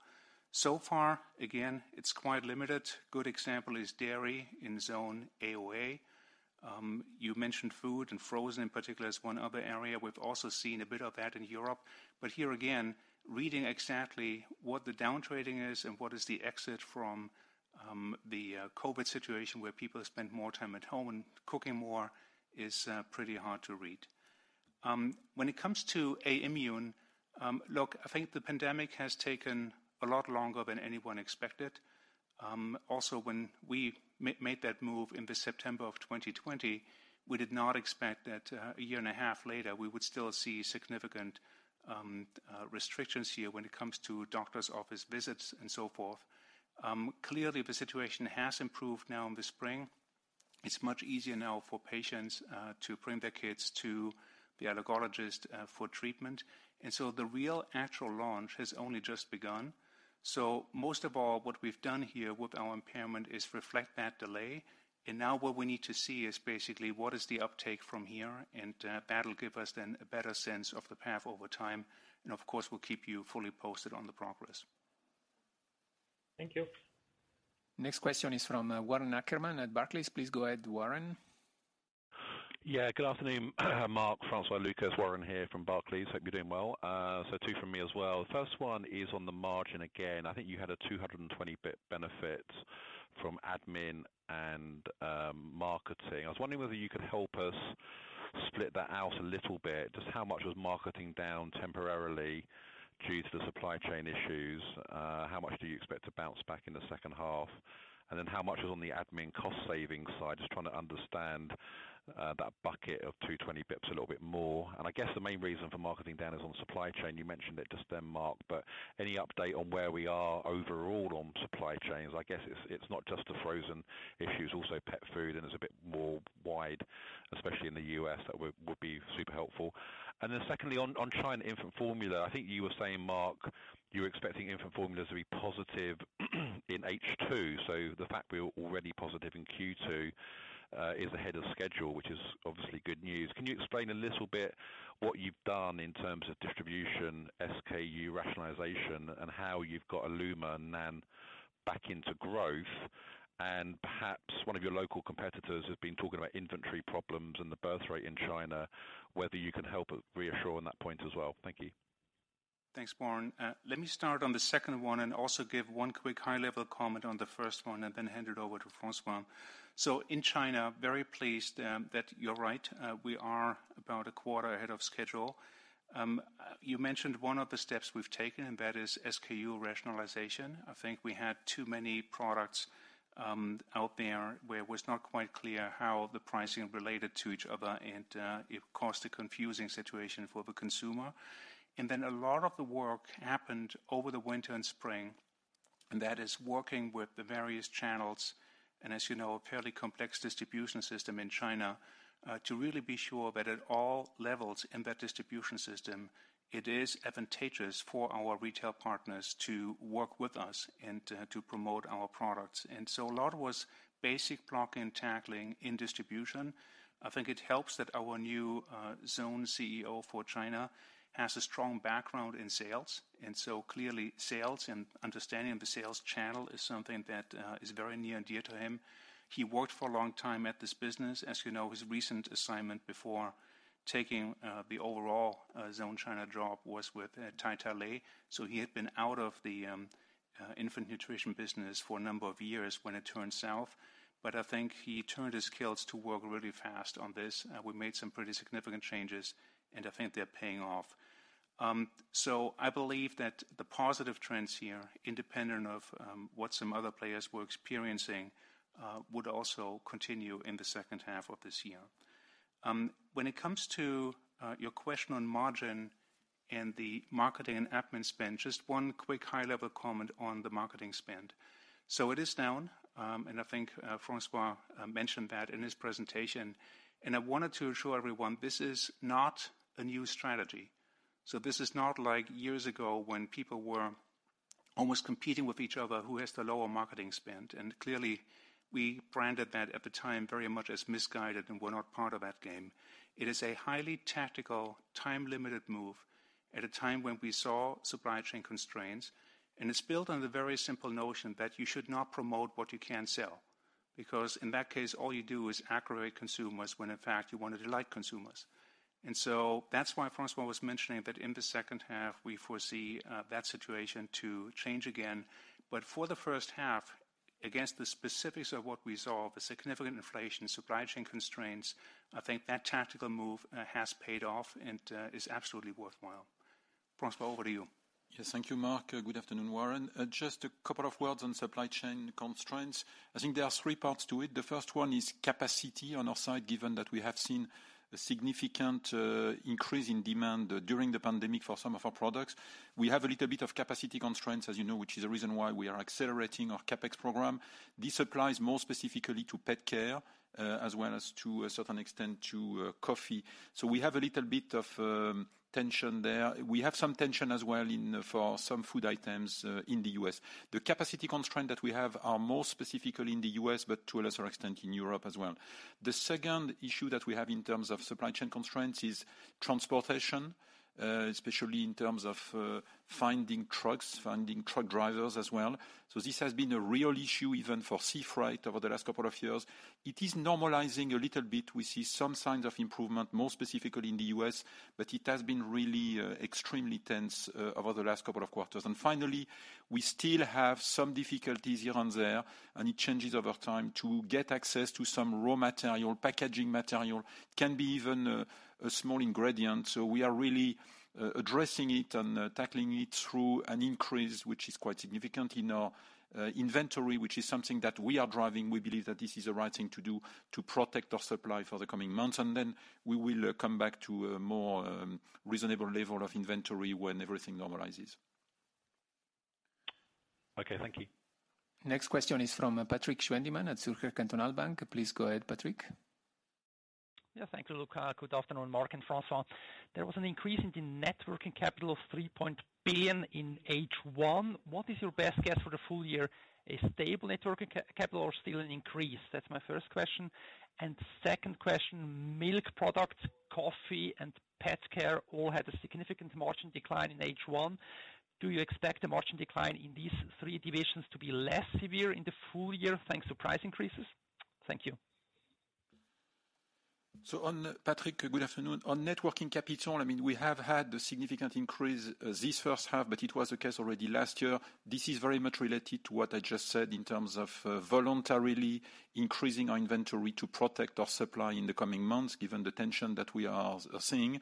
So far, again, it's quite limited. Good example is dairy in zone AOA. You mentioned food and frozen in particular as one other area. We've also seen a bit of that in Europe, but here again, reading exactly what the downtrading is and what is the exit from the COVID situation where people spend more time at home and cooking more is pretty hard to read. When it comes to Aimmune, look, I think the pandemic has taken a lot longer than anyone expected. Also when we made that move in September 2020, we did not expect that a year and a half later we would still see significant restrictions here when it comes to doctor's office visits and so forth. Clearly the situation has improved now in the spring. It's much easier now for patients to bring their kids to the allergist for treatment. The real actual launch has only just begun. Most of all, what we've done here with our impairment is reflect that delay, and now what we need to see is basically what is the uptake from here, and that'll give us then a better sense of the path over time. Of course, we'll keep you fully posted on the progress. Thank you. Next question is from Warren Ackerman at Barclays. Please go ahead, Warren. Yeah, good afternoon, Mark, François, Luca, Warren here from Barclays. Hope you're doing well. Two from me as well. First one is on the margin again. I think you had a 220 basis point benefit from admin and marketing. I was wondering whether you could help us split that out a little bit. Just how much was marketing down temporarily due to the supply chain issues? How much do you expect to bounce back in the second half? And then how much was on the admin cost-saving side? Just trying to understand that bucket of 220 basis points a little bit more. I guess the main reason for marketing down is on supply chain. You mentioned it just then, Mark, but any update on where we are overall on supply chains? I guess it's not just the frozen issue, it's also pet food, and it's a bit more wider, especially in the U.S. That would be super helpful. Then secondly, on China infant formula, I think you were saying, Mark, you're expecting infant formulas to be positive in H2. The fact we're already positive in Q2 is ahead of schedule, which is obviously good news. Can you explain a little bit what you've done in terms of distribution, SKU rationalization, and how you've got illuma and NAN back into growth? Perhaps one of your local competitors who've been talking about inventory problems and the birth rate in China, whether you can help reassure on that point as well. Thank you. Thanks, Warren. Let me start on the second one and also give one quick high-level comment on the first one, and then hand it over to François. In China, very pleased that you're right, we are about a quarter ahead of schedule. You mentioned one of the steps we've taken, and that is SKU rationalization. I think we had too many products out there where it was not quite clear how the pricing related to each other and it caused a confusing situation for the consumer. A lot of the work happened over the winter and spring, and that is working with the various channels, and as you know, a fairly complex distribution system in China, to really be sure that at all levels in that distribution system, it is advantageous for our retail partners to work with us and to promote our products. A lot was basic blocking and tackling in distribution. I think it helps that our new Zone Greater China CEO has a strong background in sales, and so clearly sales and understanding of the sales channel is something that is very near and dear to him. He worked for a long time at this business. As you know, his recent assignment before taking the overall Zone Greater China job was with Totole. He had been out of the infant nutrition business for a number of years when it turned south. I think he turned his skills to work really fast on this. We made some pretty significant changes, and I think they're paying off. I believe that the positive trends here, independent of what some other players were experiencing, would also continue in the second half of this year. When it comes to your question on margin and the marketing and admin spend, just one quick high-level comment on the marketing spend. It is down, and I think François mentioned that in his presentation. I wanted to assure everyone this is not a new strategy. This is not like years ago when people were almost competing with each other, who has the lower marketing spend. Clearly, we branded that at the time very much as misguided and were not part of that game. It is a highly tactical, time-limited move at a time when we saw supply chain constraints, and it's built on the very simple notion that you should not promote what you can't sell. Because in that case, all you do is aggravate consumers, when in fact, you want to delight consumers. That's why François was mentioning that in the second half, we foresee that situation to change again. For the first half, against the specifics of what we saw, the significant inflation, supply chain constraints, I think that tactical move has paid off and is absolutely worthwhile. François, over to you. Yes, thank you, Mark. Good afternoon, Warren. Just a couple of words on supply chain constraints. I think there are three parts to it. The first one is capacity on our side, given that we have seen a significant increase in demand during the pandemic for some of our products. We have a little bit of capacity constraints, as you know, which is the reason why we are accelerating our CapEx program. This applies more specifically to pet care, as well as to a certain extent to coffee. We have a little bit of tension there. We have some tension as well for some food items in the U.S. The capacity constraint that we have are more specifically in the U.S., but to a lesser extent in Europe as well. The second issue that we have in terms of supply chain constraints is transportation, especially in terms of finding trucks, finding truck drivers as well. This has been a real issue even for sea freight over the last couple of years. It is normalizing a little bit. We see some signs of improvement, more specifically in the U.S., but it has been really extremely tense over the last couple of quarters. Finally, we still have some difficulties here and there, and it changes over time to get access to some raw material, packaging material, can be even a small ingredient. We are really addressing it and tackling it through an increase, which is quite significant in our inventory, which is something that we are driving. We believe that this is the right thing to do to protect our supply for the coming months, and then we will come back to a more reasonable level of inventory when everything normalizes. Okay, thank you. Next question is from Patrik Schwendimann at Zürcher Kantonalbank. Please go ahead, Patrik. Yeah, thank you, Luca. Good afternoon, Mark and François. There was an increase in the net working capital of 3 billion in H1. What is your best guess for the full year? A stable net working capital or still an increase? That's my first question. Second question, milk products, coffee and pet care all had a significant margin decline in H1. Do you expect the margin decline in these three divisions to be less severe in the full year, thanks to price increases? Thank you. Patrik, good afternoon. On net working capital, I mean, we have had a significant increase this first half, but it was the case already last year. This is very much related to what I just said in terms of voluntarily increasing our inventory to protect our supply in the coming months, given the tension that we are seeing.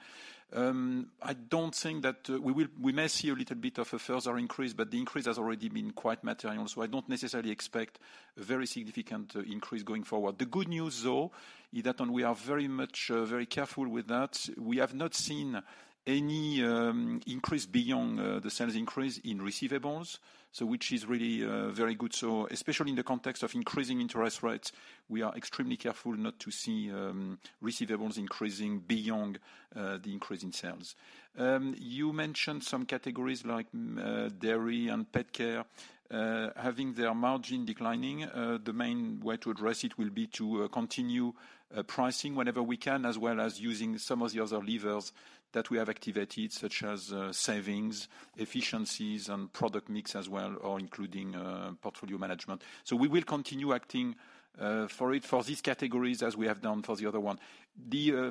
I don't think that we may see a little bit of a further increase, but the increase has already been quite material, so I don't necessarily expect a very significant increase going forward. The good news, though, is that when we are very much very careful with that, we have not seen any increase beyond the sales increase in receivables, so which is really very good. Especially in the context of increasing interest rates, we are extremely careful not to see receivables increasing beyond the increase in sales. You mentioned some categories like dairy and pet care having their margin declining. The main way to address it will be to continue pricing whenever we can, as well as using some of the other levers that we have activated, such as savings, efficiencies and product mix as well, or including portfolio management. We will continue acting for it for these categories as we have done for the other one.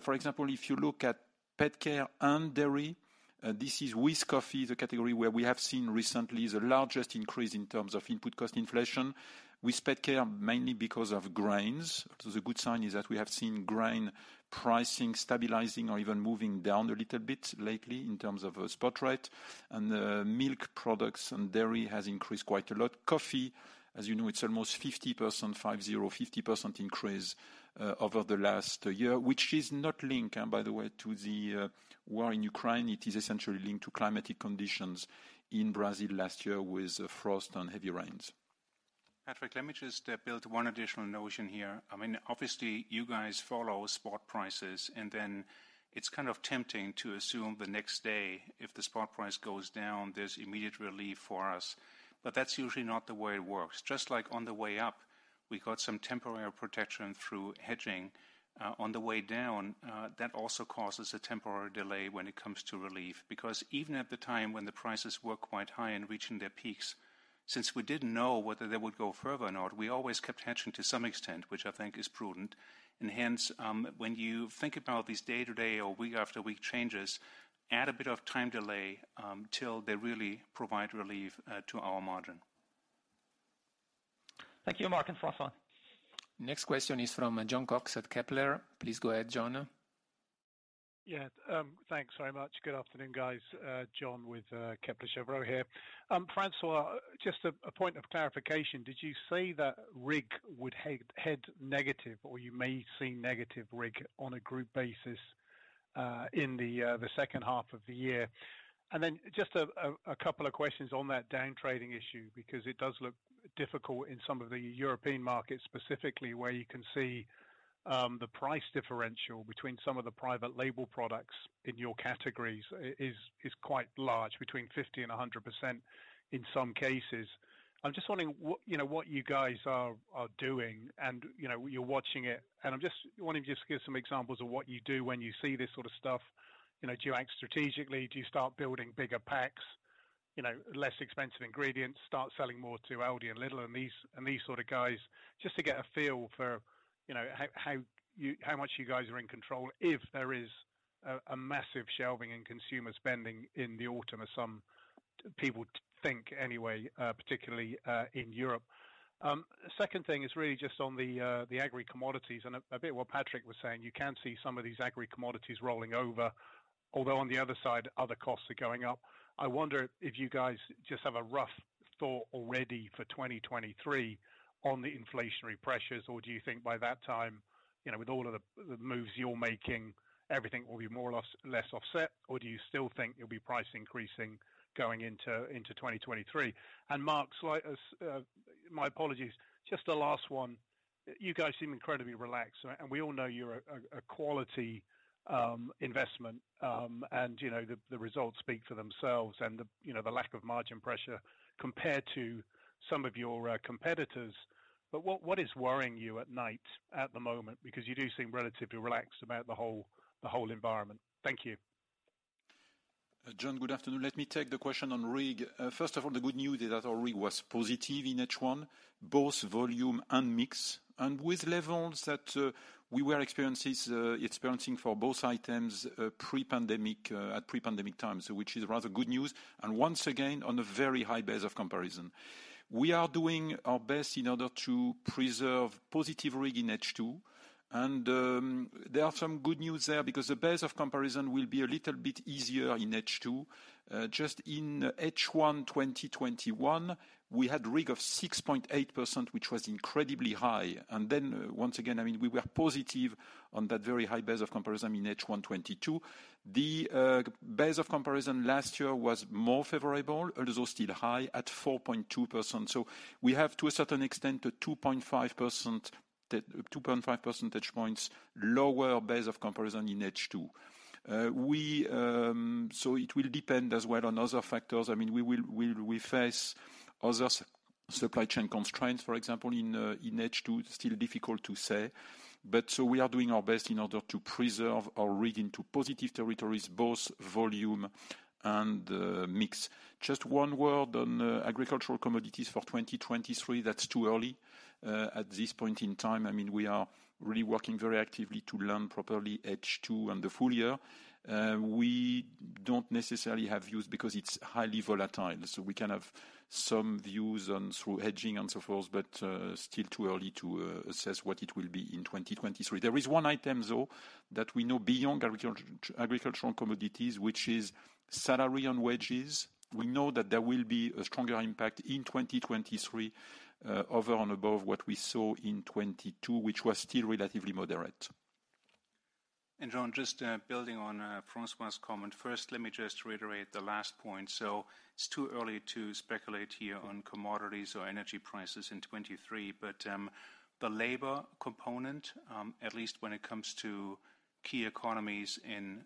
For example, if you look at pet care and dairy, this is with coffee, the category where we have seen recently the largest increase in terms of input cost inflation. With pet care, mainly because of grains. The good sign is that we have seen grain pricing stabilizing or even moving down a little bit lately in terms of spot rate. The milk products and dairy has increased quite a lot. Coffee, as you know, it's almost 50%, 50% increase over the last year, which is not linked, by the way, to the war in Ukraine. It is essentially linked to climatic conditions in Brazil last year with frost and heavy rains. Patrik, let me just build one additional notion here. I mean, obviously, you guys follow spot prices, and then it's kind of tempting to assume the next day if the spot price goes down, there's immediate relief for us. That's usually not the way it works. Just like on the way up, we got some temporary protection through hedging, on the way down, that also causes a temporary delay when it comes to relief. Because even at the time when the prices were quite high and reaching their peaks, since we didn't know whether they would go further or not, we always kept hedging to some extent, which I think is prudent. Hence, when you think about these day-to-day or week after week changes, add a bit of time delay, till they really provide relief to our margin. Thank you, Mark and François. Next question is from Jon Cox at Kepler. Please go ahead, Jon. Thanks very much. Good afternoon, guys. Jon with Kepler Cheuvreux here. François, just a point of clarification. Did you say that RIG would head negative, or you may see negative RIG on a group basis in the second half of the year? Then just a couple of questions on that down trading issue, because it does look difficult in some of the European markets, specifically, where you can see the price differential between some of the private label products in your categories is quite large, between 50%-100% in some cases. I'm just wondering what, you know, what you guys are doing and, you know, you're watching it. I'm just wondering if you could give some examples of what you do when you see this sort of stuff. You know, do you act strategically? Do you start building bigger packs? You know, less expensive ingredients, start selling more to Aldi and Lidl and these sort of guys. Just to get a feel for, you know, how much you guys are in control if there is a massive slashing in consumer spending in the autumn, as some are predicting. People think anyway, particularly in Europe. Second thing is really just on the agri commodities and a bit what Patrik was saying, you can see some of these agri commodities rolling over. Although on the other side, other costs are going up. I wonder if you guys just have a rough thought already for 2023 on the inflationary pressures? Do you think by that time, you know, with all of the moves you're making, everything will be more or less offset? Do you still think you'll be price increasing going into 2023? Mark, slight aside, my apologies. Just the last one. You guys seem incredibly relaxed, right? We all know you're a quality investment, and you know, the results speak for themselves and you know, the lack of margin pressure compared to some of your competitors. But what is worrying you at night, at the moment? Because you do seem relatively relaxed about the whole environment. Thank you. John, good afternoon. Let me take the question on RIG. First of all, the good news is that our RIG was positive in H1, both volume and mix. With levels that we were experiencing for both items pre-pandemic at pre-pandemic times, which is rather good news. Once again, on a very high base of comparison. We are doing our best in order to preserve positive RIG in H2, and there are some good news there because the base of comparison will be a little bit easier in H2. Just in H1 2021, we had RIG of 6.8%, which was incredibly high. Then once again, I mean, we were positive on that very high base of comparison in H1 2022. The base of comparison last year was more favorable, although still high at 4.2%. We have, to a certain extent, a 2.5 percentage points lower base of comparison in H2. It will depend as well on other factors. I mean, will we face other supply chain constraints, for example, in H2? Still difficult to say. We are doing our best in order to preserve our RIG into positive territories, both volume and mix. Just one word on agricultural commodities for 2023, that's too early at this point in time. I mean, we are really working very actively to plan properly H2 and the full year. We don't necessarily have views because it's highly volatile. We can have some views on through hedging and so forth, but still too early to assess what it will be in 2023. There is one item though, that we know beyond agricultural commodities, which is salary and wages. We know that there will be a stronger impact in 2023, over and above what we saw in 2022, which was still relatively moderate. John, just building on François's comment. First, let me just reiterate the last point. It's too early to speculate here on commodities or energy prices in 2023. The labor component, at least when it comes to key economies in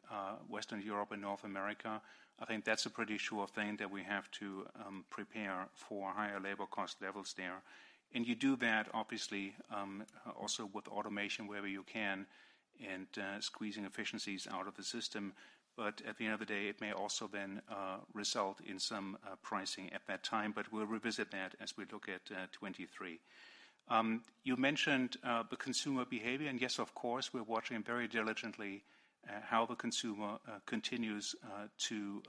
Western Europe and North America, I think that's a pretty sure thing that we have to prepare for higher labor cost levels there. You do that obviously, also with automation wherever you can and squeezing efficiencies out of the system. At the end of the day, it may also then result in some pricing at that time. We'll revisit that as we look at 2023. You mentioned the consumer behavior. Yes, of course, we're watching very diligently how the consumer continues to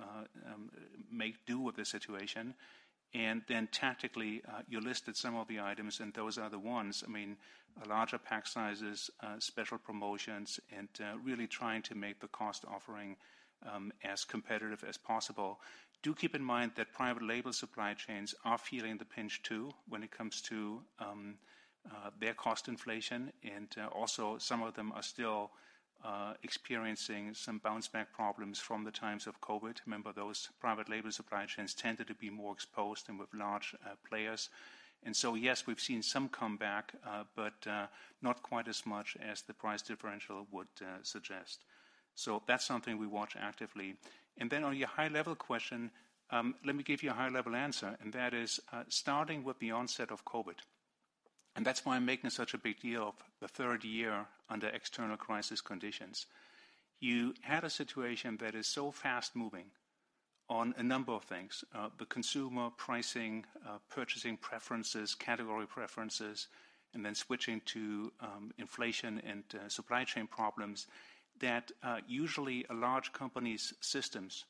make do with the situation. Then tactically, you listed some of the items, and those are the ones. I mean, larger pack sizes, special promotions, and really trying to make the cost offering as competitive as possible. Do keep in mind that private label supply chains are feeling the pinch too when it comes to their cost inflation. Also some of them are still experiencing some bounce back problems from the times of COVID. Remember, those private label supply chains tended to be more exposed and with large players. Yes, we've seen some come back, but not quite as much as the price differential would suggest. That's something we watch actively. On your high level question, let me give you a high level answer, and that is, starting with the onset of COVID, and that's why I'm making such a big deal of the third year under external crisis conditions. You had a situation that is so fast-moving on a number of things, the consumer pricing, purchasing preferences, category preferences, and then switching to, inflation and, supply chain problems that, usually a large company's systems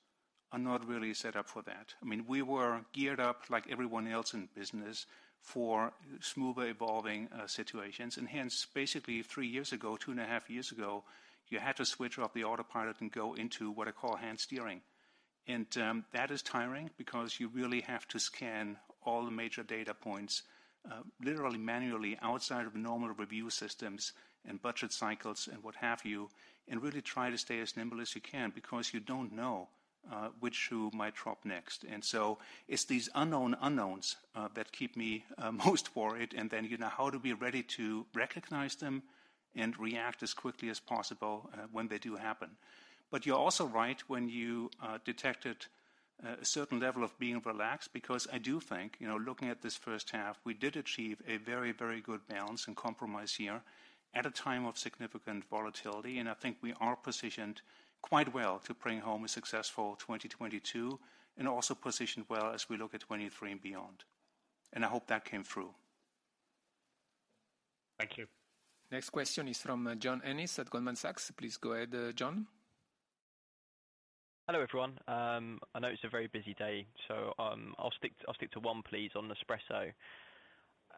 are not really set up for that. I mean, we were geared up like everyone else in business for smoother evolving, situations. Hence, basically three years ago, two and a half years ago, you had to switch off the autopilot and go into what I call hand steering. That is tiring because you really have to scan all the major data points, literally manually outside of normal review systems and budget cycles and what have you, and really try to stay as nimble as you can because you don't know which shoe might drop next. It's these unknown unknowns that keep me most worried, and then you know how to be ready to recognize them and react as quickly as possible when they do happen. You're also right when you detected a certain level of being relaxed, because I do think, you know, looking at this first half, we did achieve a very, very good balance and compromise here at a time of significant volatility. I think we are positioned quite well to bring home a successful 2022 and also positioned well as we look at 2023 and beyond. I hope that came through. Thank you. Next question is from John Ennis at Goldman Sachs. Please go ahead, John. Hello, everyone. I know it's a very busy day, so I'll stick to one please on Nespresso.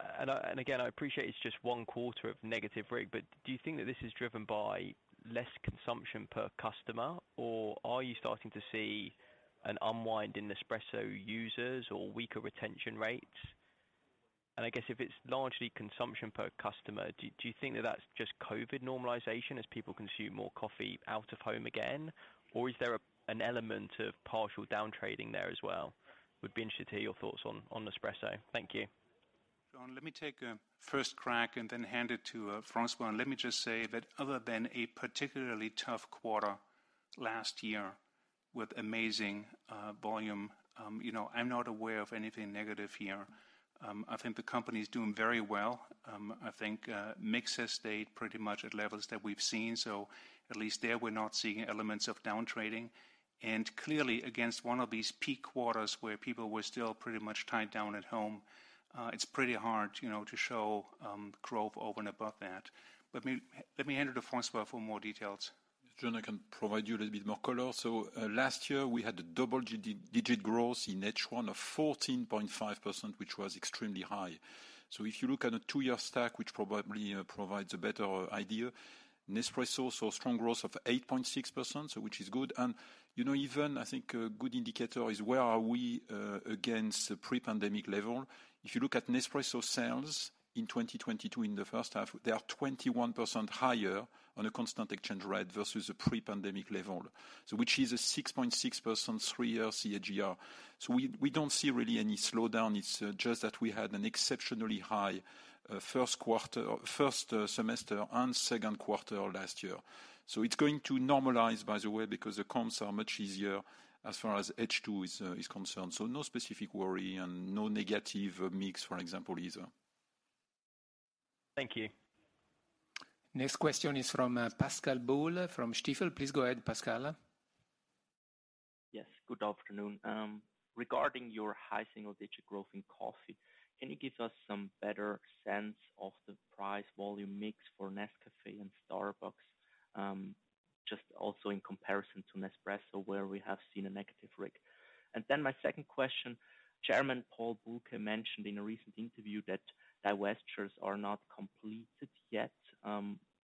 I appreciate it's just one quarter of negative RIG, but do you think that this is driven by less consumption per customer, or are you starting to see an unwind in Nespresso users or weaker retention rates? I guess if it's largely consumption per customer, do you think that that's just COVID normalization as people consume more coffee out of home again? Or is there an element of partial down trading there as well? Would be interested to hear your thoughts on Nespresso. Thank you. John, let me take a first crack and then hand it to François. Let me just say that other than a particularly tough quarter last year with amazing volume, you know, I'm not aware of anything negative here. I think the company's doing very well. I think mix has stayed pretty much at levels that we've seen, so at least there we're not seeing elements of down trading. Clearly against one of these peak quarters where people were still pretty much tied down at home, it's pretty hard, you know, to show growth over and above that. Let me hand it to François for more details. John, I can provide you a little bit more color. Last year we had a double digit growth in H1 of 14.5%, which was extremely high. If you look at a two-year stack, which probably provides a better idea, Nespresso saw strong growth of 8.6%, which is good. You know even I think a good indicator is where are we against pre-pandemic level? If you look at Nespresso sales in 2022 in the first half, they are 21% higher on a constant exchange rate versus the pre-pandemic level. Which is a 6.6% three-year CAGR. We don't see really any slowdown. It's just that we had an exceptionally high first semester and second quarter last year. It's going to normalize, by the way, because the comps are much easier as far as H two is concerned. No specific worry and no negative mix, for example, either. Thank you. Next question is from, Pascal Boll from Stifel. Please go ahead, Pascal. Yes, good afternoon. Regarding your high single digit growth in coffee, can you give us some better sense of the price volume mix for Nescafé and Starbucks? Just also in comparison to Nespresso, where we have seen a negative RIG. My second question, Chairman Paul Bulcke mentioned in a recent interview that divestitures are not completed yet.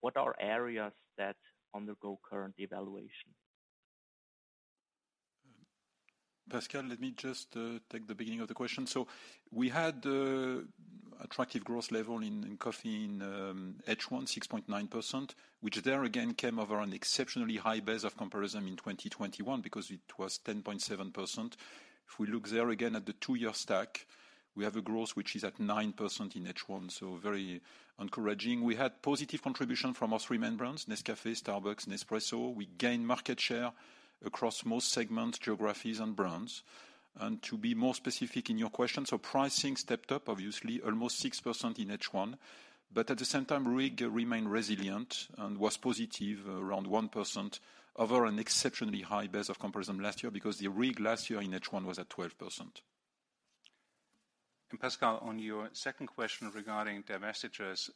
What are areas that undergo current evaluation? Pascal, let me just take the beginning of the question. We had attractive growth level in coffee in H1, 6.9%, which there again came over an exceptionally high base of comparison in 2021 because it was 10.7%. If we look there again at the two-year stack, we have a growth which is at 9% in H1, so very encouraging. We had positive contribution from our three main brands, Nescafé, Starbucks, Nespresso. We gained market share across most segments, geographies and brands. To be more specific in your question, so pricing stepped up, obviously almost 6% in H1, but at the same time, RIG remained resilient and was positive around 1% over an exceptionally high base of comparison last year because the RIG last year in H1 was at 12%. Pascal, on your second question regarding divestitures,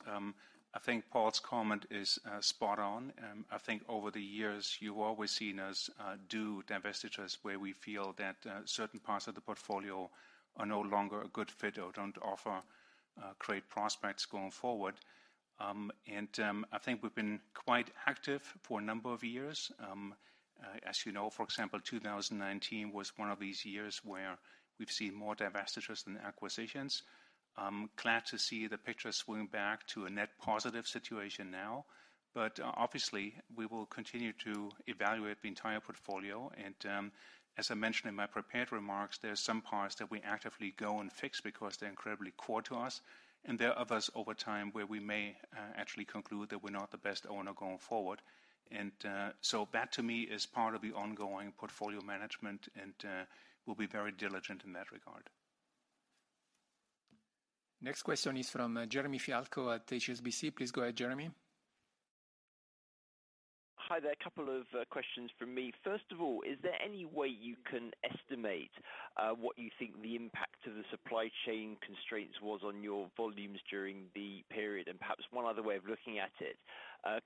I think Paul's comment is spot on. I think over the years you've always seen us do divestitures where we feel that certain parts of the portfolio are no longer a good fit or don't offer great prospects going forward. I think we've been quite active for a number of years. As you know, for example, 2019 was one of these years where we've seen more divestitures than acquisitions. I'm glad to see the picture swinging back to a net positive situation now. Obviously, we will continue to evaluate the entire portfolio. As I mentioned in my prepared remarks, there are some parts that we actively go and fix because they're incredibly core to us, and there are others over time where we may actually conclude that we're not the best owner going forward. That to me is part of the ongoing portfolio management and we'll be very diligent in that regard. Next question is from Jeremy Fialko at HSBC. Please go ahead, Jeremy. Hi there. A couple of questions from me. First of all, is there any way you can estimate what you think the impact of the supply chain constraints was on your volumes during the period? Perhaps one other way of looking at it,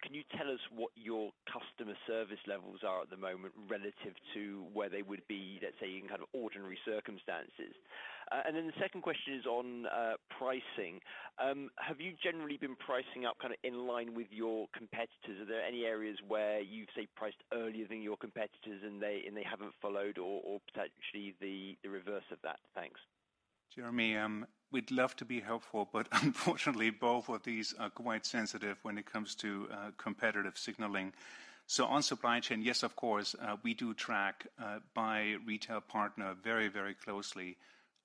can you tell us what your customer service levels are at the moment relative to where they would be, let's say, in kind of ordinary circumstances? The second question is on pricing. Have you generally been pricing up kinda in line with your competitors? Are there any areas where you'd say priced earlier than your competitors and they haven't followed or potentially the reverse of that? Thanks. Jeremy, we'd love to be helpful, but unfortunately both of these are quite sensitive when it comes to competitive signaling. On supply chain, yes, of course, we do track by retail partner very, very closely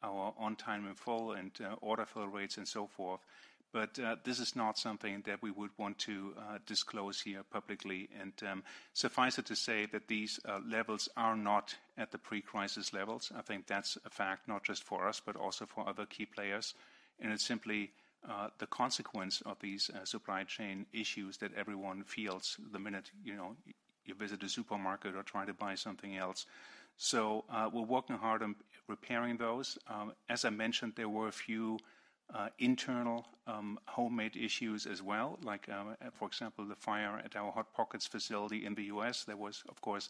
our on time and full and order fill rates and so forth. This is not something that we would want to disclose here publicly. Suffice it to say that these levels are not at the pre-crisis levels. I think that's a fact, not just for us, but also for other key players. It's simply the consequence of these supply chain issues that everyone feels the minute, you know, you visit a supermarket or try to buy something else. We're working hard on repairing those. As I mentioned, there were a few internal homegrown issues as well, like, for example, the fire at our Hot Pockets facility in the U.S. There was, of course,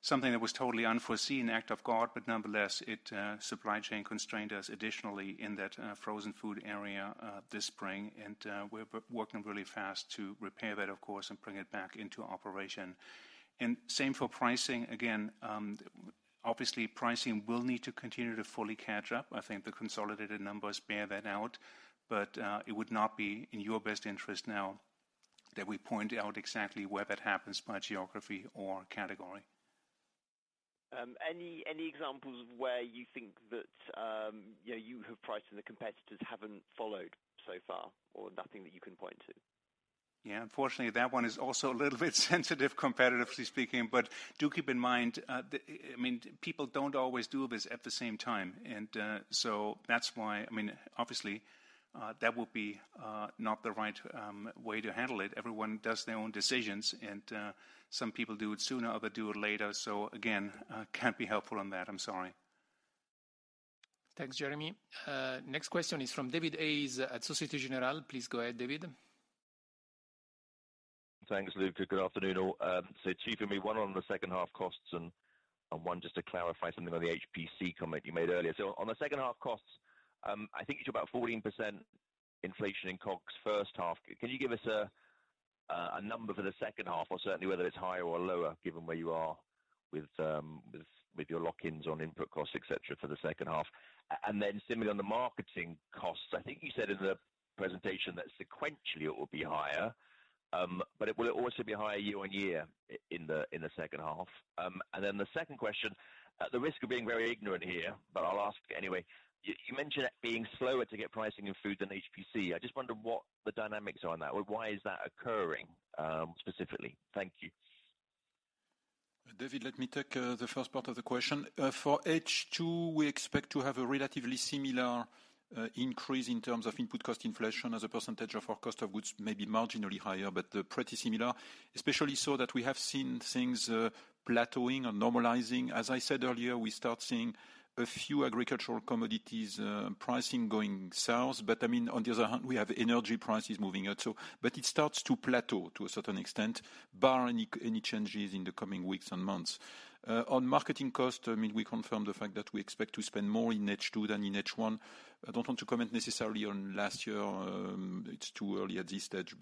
something that was totally unforeseen, act of God, but nonetheless it supply chain constrained us additionally in that frozen food area this spring. We're working really fast to repair that, of course, and bring it back into operation. Same for pricing again, obviously pricing will need to continue to fully catch up. I think the consolidated numbers bear that out, but it would not be in your best interest now that we point out exactly where that happens by geography or category. Any examples of where you think that you have priced and the competitors haven't followed so far, or nothing that you can point to? Yeah, unfortunately, that one is also a little bit sensitive, competitively speaking. Do keep in mind, I mean, people don't always do this at the same time, and, so that's why, I mean, obviously, that would be, not the right, way to handle it. Everyone does their own decisions and, some people do it sooner, other do it later. Again, can't be helpful on that. I'm sorry. Thanks, Jeremy. Next question is from David Hayes at Société Générale. Please go ahead, David. Thanks, Luca. Good afternoon all. Two for me, one on the second half costs, and one just to clarify something on the HPC comment you made earlier. On the second half costs, I think you talk about 14% inflation in COGS first half. Can you give us a number for the second half, or certainly whether it's higher or lower given where you are with your lock-ins on input costs, et cetera, for the second half? Similarly on the marketing costs, I think you said in the presentation that sequentially it will be higher, but will it also be higher year-on-year in the second half? The second question, at the risk of being very ignorant here, but I'll ask anyway. You mentioned it being slower to get pricing in food than HPC. I just wonder what the dynamics are on that or why is that occurring, specifically? Thank you. David, let me take the first part of the question. For H2, we expect to have a relatively similar increase in terms of input cost inflation as a percentage of our cost of goods, maybe marginally higher, but pretty similar. Especially so that we have seen things plateauing or normalizing. As I said earlier, we start seeing a few agricultural commodities pricing going south. I mean, on the other hand, we have energy prices moving out. It starts to plateau to a certain extent, bar any changes in the coming weeks and months. On marketing cost, I mean, we confirm the fact that we expect to spend more in H2 than in H1. I don't want to comment necessarily on last year, it's too early at this stage.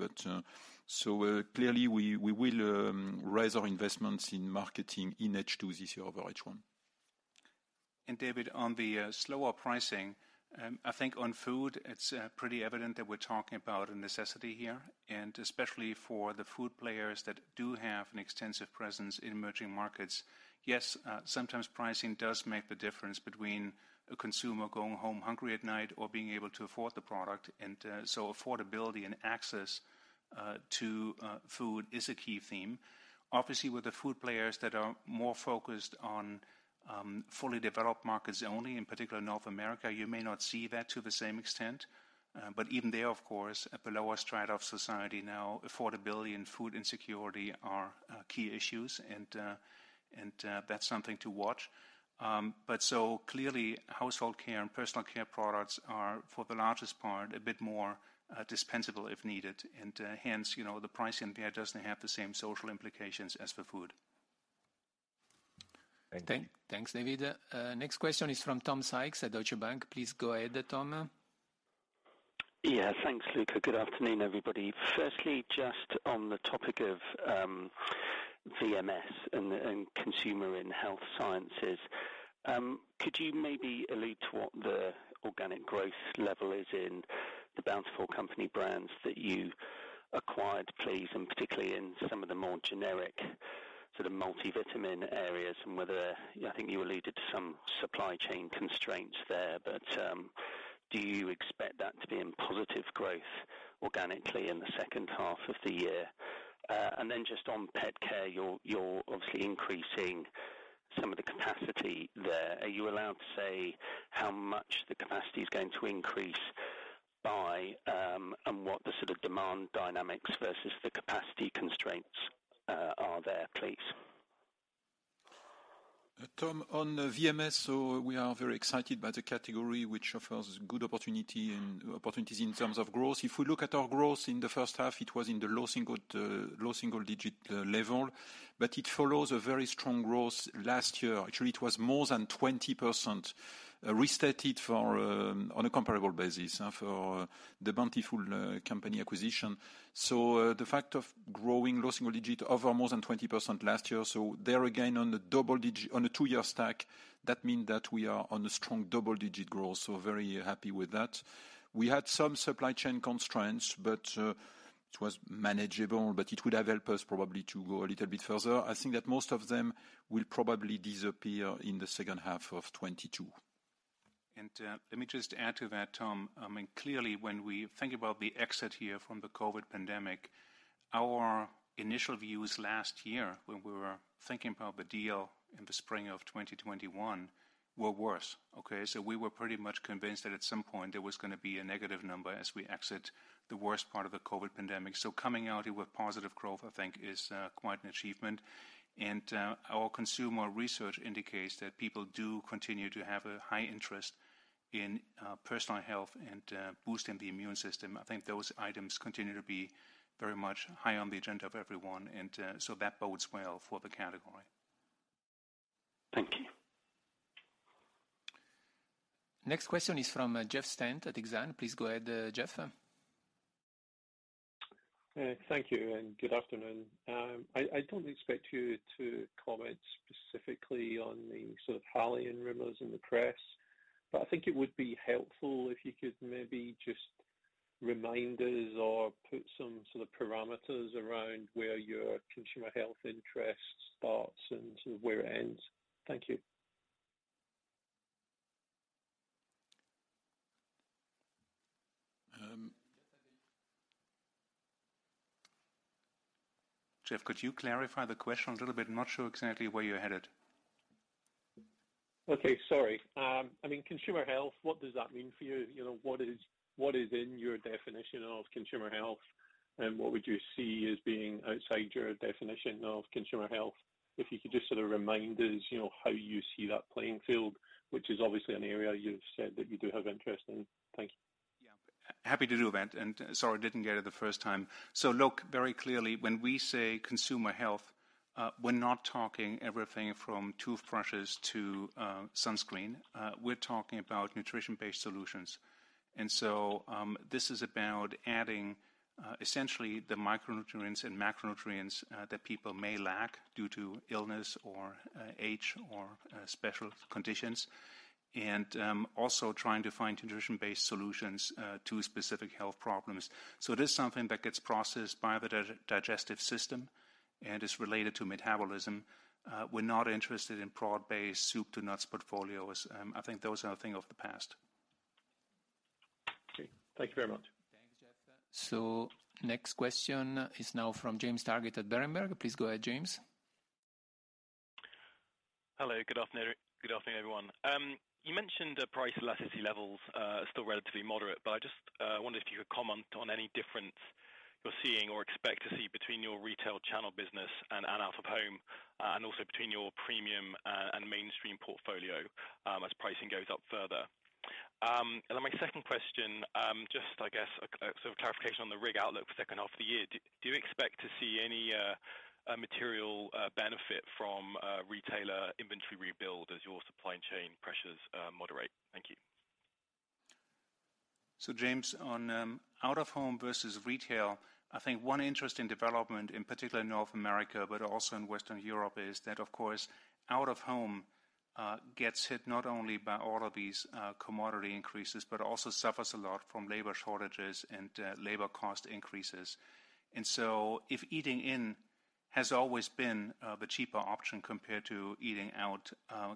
Clearly we will raise our investments in marketing in H2 this year over H1. David, on the slower pricing, I think on food it's pretty evident that we're talking about a necessity here. Especially for the food players that do have an extensive presence in emerging markets. Yes, sometimes pricing does make the difference between a consumer going home hungry at night or being able to afford the product. So affordability and access to food is a key theme. Obviously, with the food players that are more focused on fully developed markets only, in particular North America, you may not see that to the same extent. But even there, of course, at the lower strata of society now, affordability and food insecurity are key issues and that's something to watch. Clearly, household care and personal care products are, for the largest part, a bit more dispensable if needed. Hence, you know, the pricing there doesn't have the same social implications as for food. Thank you. Thanks, David. Next question is from Tom Sykes at Deutsche Bank. Please go ahead, Tom. Yeah. Thanks, Luca. Good afternoon, everybody. Firstly, just on the topic of VMS and consumer and health sciences, could you maybe allude to what the organic growth level is in the Bountiful Company brands that you acquired, please, and particularly in some of the more generic sort of multivitamin areas and whether I think you alluded to some supply chain constraints there, but do you expect that to be in positive growth organically in the second half of the year? Just on pet care, you're obviously increasing some of the capacity there. Are you allowed to say how much the capacity's going to increase by, and what the sort of demand dynamics versus the capacity constraints are there, please? Tom, on VMS, we are very excited by the category which offers good opportunities in terms of growth. If we look at our growth in the first half, it was in the low single digit level, but it follows a very strong growth last year. Actually, it was more than 20% restated for, on a comparable basis, for The Bountiful Company acquisition. The fact of growing low single digit over more than 20% last year, there again, on a double digit. On a two-year stack, that mean that we are on a strong double-digit growth, very happy with that. We had some supply chain constraints, but it was manageable, but it would have helped us probably to go a little bit further. I think that most of them will probably disappear in the second half of 2022. Let me just add to that, Tom. I mean, clearly when we think about the exit here from the COVID pandemic, our initial views last year when we were thinking about the deal in the spring of 2021 were worse, okay? We were pretty much convinced that at some point there was gonna be a negative number as we exit the worst part of the COVID pandemic. Coming out with positive growth, I think is quite an achievement. Our consumer research indicates that people do continue to have a high interest in personal health and boosting the immune system. I think those items continue to be very much high on the agenda of everyone and so that bodes well for the category. Thank you. Next question is from, Jeff Stent at Exane. Please go ahead, Jeff. Thank you, and good afternoon. I don't expect you to comment specifically on the sort of Haleon rumors in the press, but I think it would be helpful if you could maybe just remind us or put some sort of parameters around where your consumer health interest starts and sort of where it ends. Thank you. Jeff, could you clarify the question a little bit? I'm not sure exactly where you're headed. Okay. Sorry. I mean, consumer health, what does that mean for you? You know, what is in your definition of consumer health, and what would you see as being outside your definition of consumer health? If you could just sort of remind us, you know, how you see that playing field, which is obviously an area you've said that you do have interest in. Thanks. Yeah. Happy to do that, and sorry, didn't get it the first time. Look, very clearly when we say consumer health, we're not talking everything from toothbrushes to sunscreen. We're talking about nutrition-based solutions. This is about adding essentially the micronutrients and macronutrients that people may lack due to illness or age or special conditions. Also trying to find nutrition-based solutions to specific health problems. It is something that gets processed by the digestive system and is related to metabolism. We're not interested in broad-based soup to nuts portfolios. I think those are a thing of the past. Okay. Thank you very much. Thanks, Jeff. Next question is now from James Targett at Berenberg. Please go ahead, James. Hello, good afternoon. Good afternoon, everyone. You mentioned the price elasticity levels are still relatively moderate, but I just wondered if you could comment on any difference you're seeing or expect to see between your retail channel business and an out-of-home, and also between your premium and mainstream portfolio, as pricing goes up further. Then my second question, just I guess a sort of clarification on the RIG outlook for the second half of the year. Do you expect to see any material benefit from retailer inventory rebuild as your supply chain pressures moderate? Thank you. James, on out of home versus retail, I think one interesting development in particular in North America, but also in Western Europe, is that, of course, out of home gets hit not only by all of these commodity increases, but also suffers a lot from labor shortages and labor cost increases. If eating in has always been the cheaper option compared to eating out,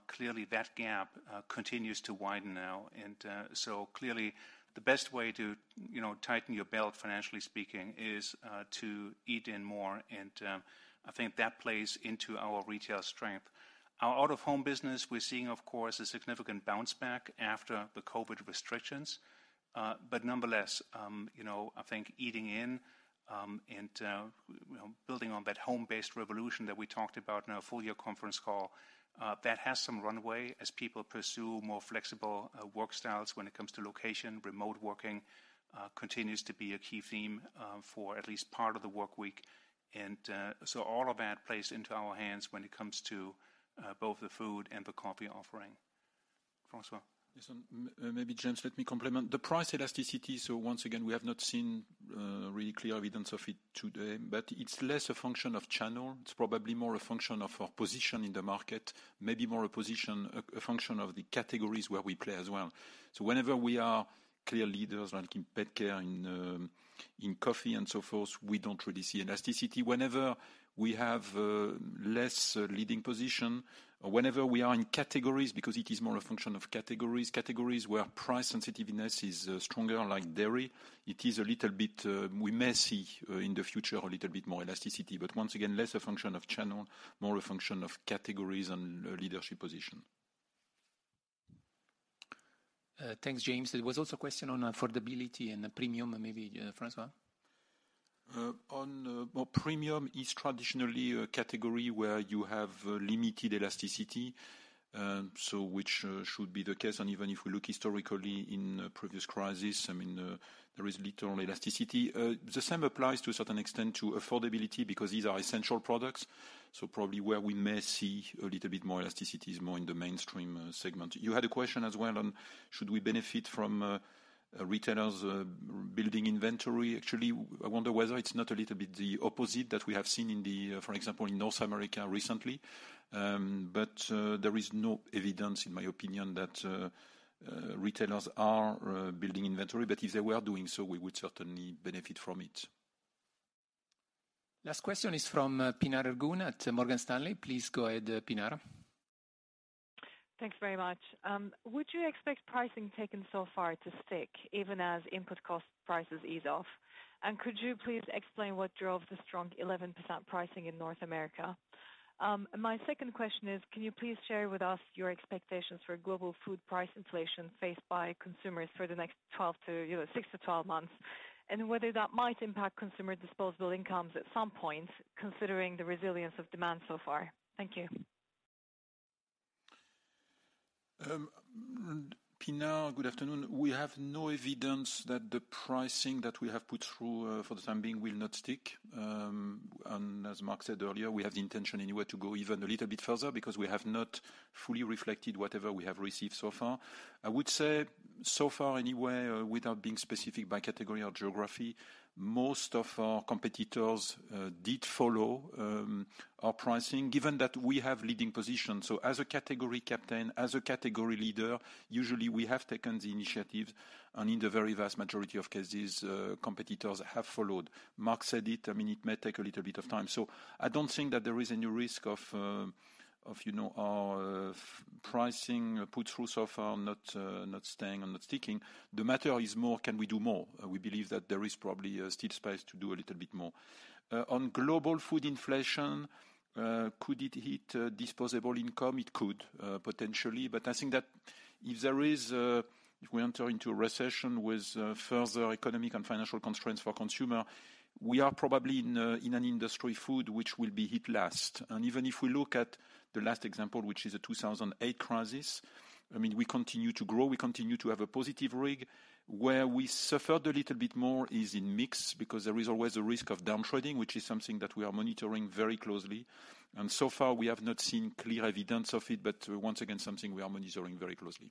clearly that gap continues to widen now. Clearly the best way to, you know, tighten your belt financially speaking, is to eat in more, and I think that plays into our retail strength. Our out of home business, we're seeing, of course, a significant bounce back after the COVID restrictions. Nonetheless, you know, I think eating in and you know, building on that home-based revolution that we talked about in our full year conference call, that has some runway as people pursue more flexible work styles when it comes to location. Remote working continues to be a key theme for at least part of the work week. All of that plays into our hands when it comes to both the food and the coffee offering. François? Yes. Maybe James, let me comment. The price elasticity, so once again, we have not seen really clear evidence of it today, but it's less a function of channel. It's probably more a function of our position in the market, maybe more a function of the categories where we play as well. Whenever we are clear leaders, like in pet care, in coffee and so forth, we don't really see elasticity. Whenever we have less leading position or whenever we are in categories, because it is more a function of categories where price sensitiveness is stronger, like dairy, it is a little bit we may see in the future a little bit more elasticity. But once again, less a function of channel, more a function of categories and leadership position. Thanks, James. There was also a question on affordability and the premium, maybe, François. Premium is traditionally a category where you have limited elasticity, so which should be the case. Even if we look historically in a previous crisis, I mean, there is little elasticity. The same applies to a certain extent to affordability because these are essential products, so probably where we may see a little bit more elasticity is more in the mainstream segment. You had a question as well on should we benefit from a retailer's building inventory. Actually, I wonder whether it's not a little bit the opposite that we have seen in, for example, in North America recently. There is no evidence, in my opinion, that retailers are building inventory, but if they were doing so, we would certainly benefit from it. Last question is from, Pinar Ergun at Morgan Stanley. Please go ahead, Pinar. Thanks very much. Would you expect pricing taken so far to stick even as input cost prices ease off? Could you please explain what drove the strong 11% pricing in North America? My second question is, can you please share with us your expectations for global food price inflation faced by consumers for the next 6-12 months, and whether that might impact consumer disposable incomes at some point, considering the resilience of demand so far? Thank you. Pinar, good afternoon. We have no evidence that the pricing that we have put through, for the time being, will not stick. As Mark said earlier, we have the intention everywhere to go even a little bit further because we have not fully reflected whatever we have received so far. I would say, so far anyway, without being specific by category or geography, most of our competitors did follow our pricing given that we have leading positions. As a category captain, as a category leader, usually we have taken the initiative, and in the very vast majority of cases, competitors have followed. Mark said it, I mean, it may take a little bit of time. I don't think that there is any risk of, you know, our pricing put through so far not staying and not sticking. The matter is more, can we do more? We believe that there is probably still a space to do a little bit more. On global food inflation, could it hit disposable income? It could potentially, but I think that if there is, if we enter into a recession with further economic and financial constraints for consumer, we are probably in the food industry which will be hit last. Even if we look at the last example, which is the 2008 crisis, I mean, we continue to grow, we continue to have a positive RIG. Where we suffered a little bit more is in mix, because there is always a risk of down-trading, which is something that we are monitoring very closely. So far we have not seen clear evidence of it, but once again, something we are monitoring very closely.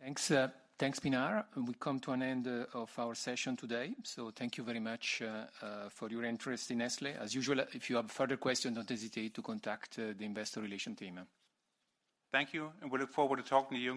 Well, thanks, Pinar. We come to an end of our session today. Thank you very much for your interest in Nestlé. As usual, if you have further questions, don't hesitate to contact the investor relations team. Thank you, and we look forward to talking to you again soon.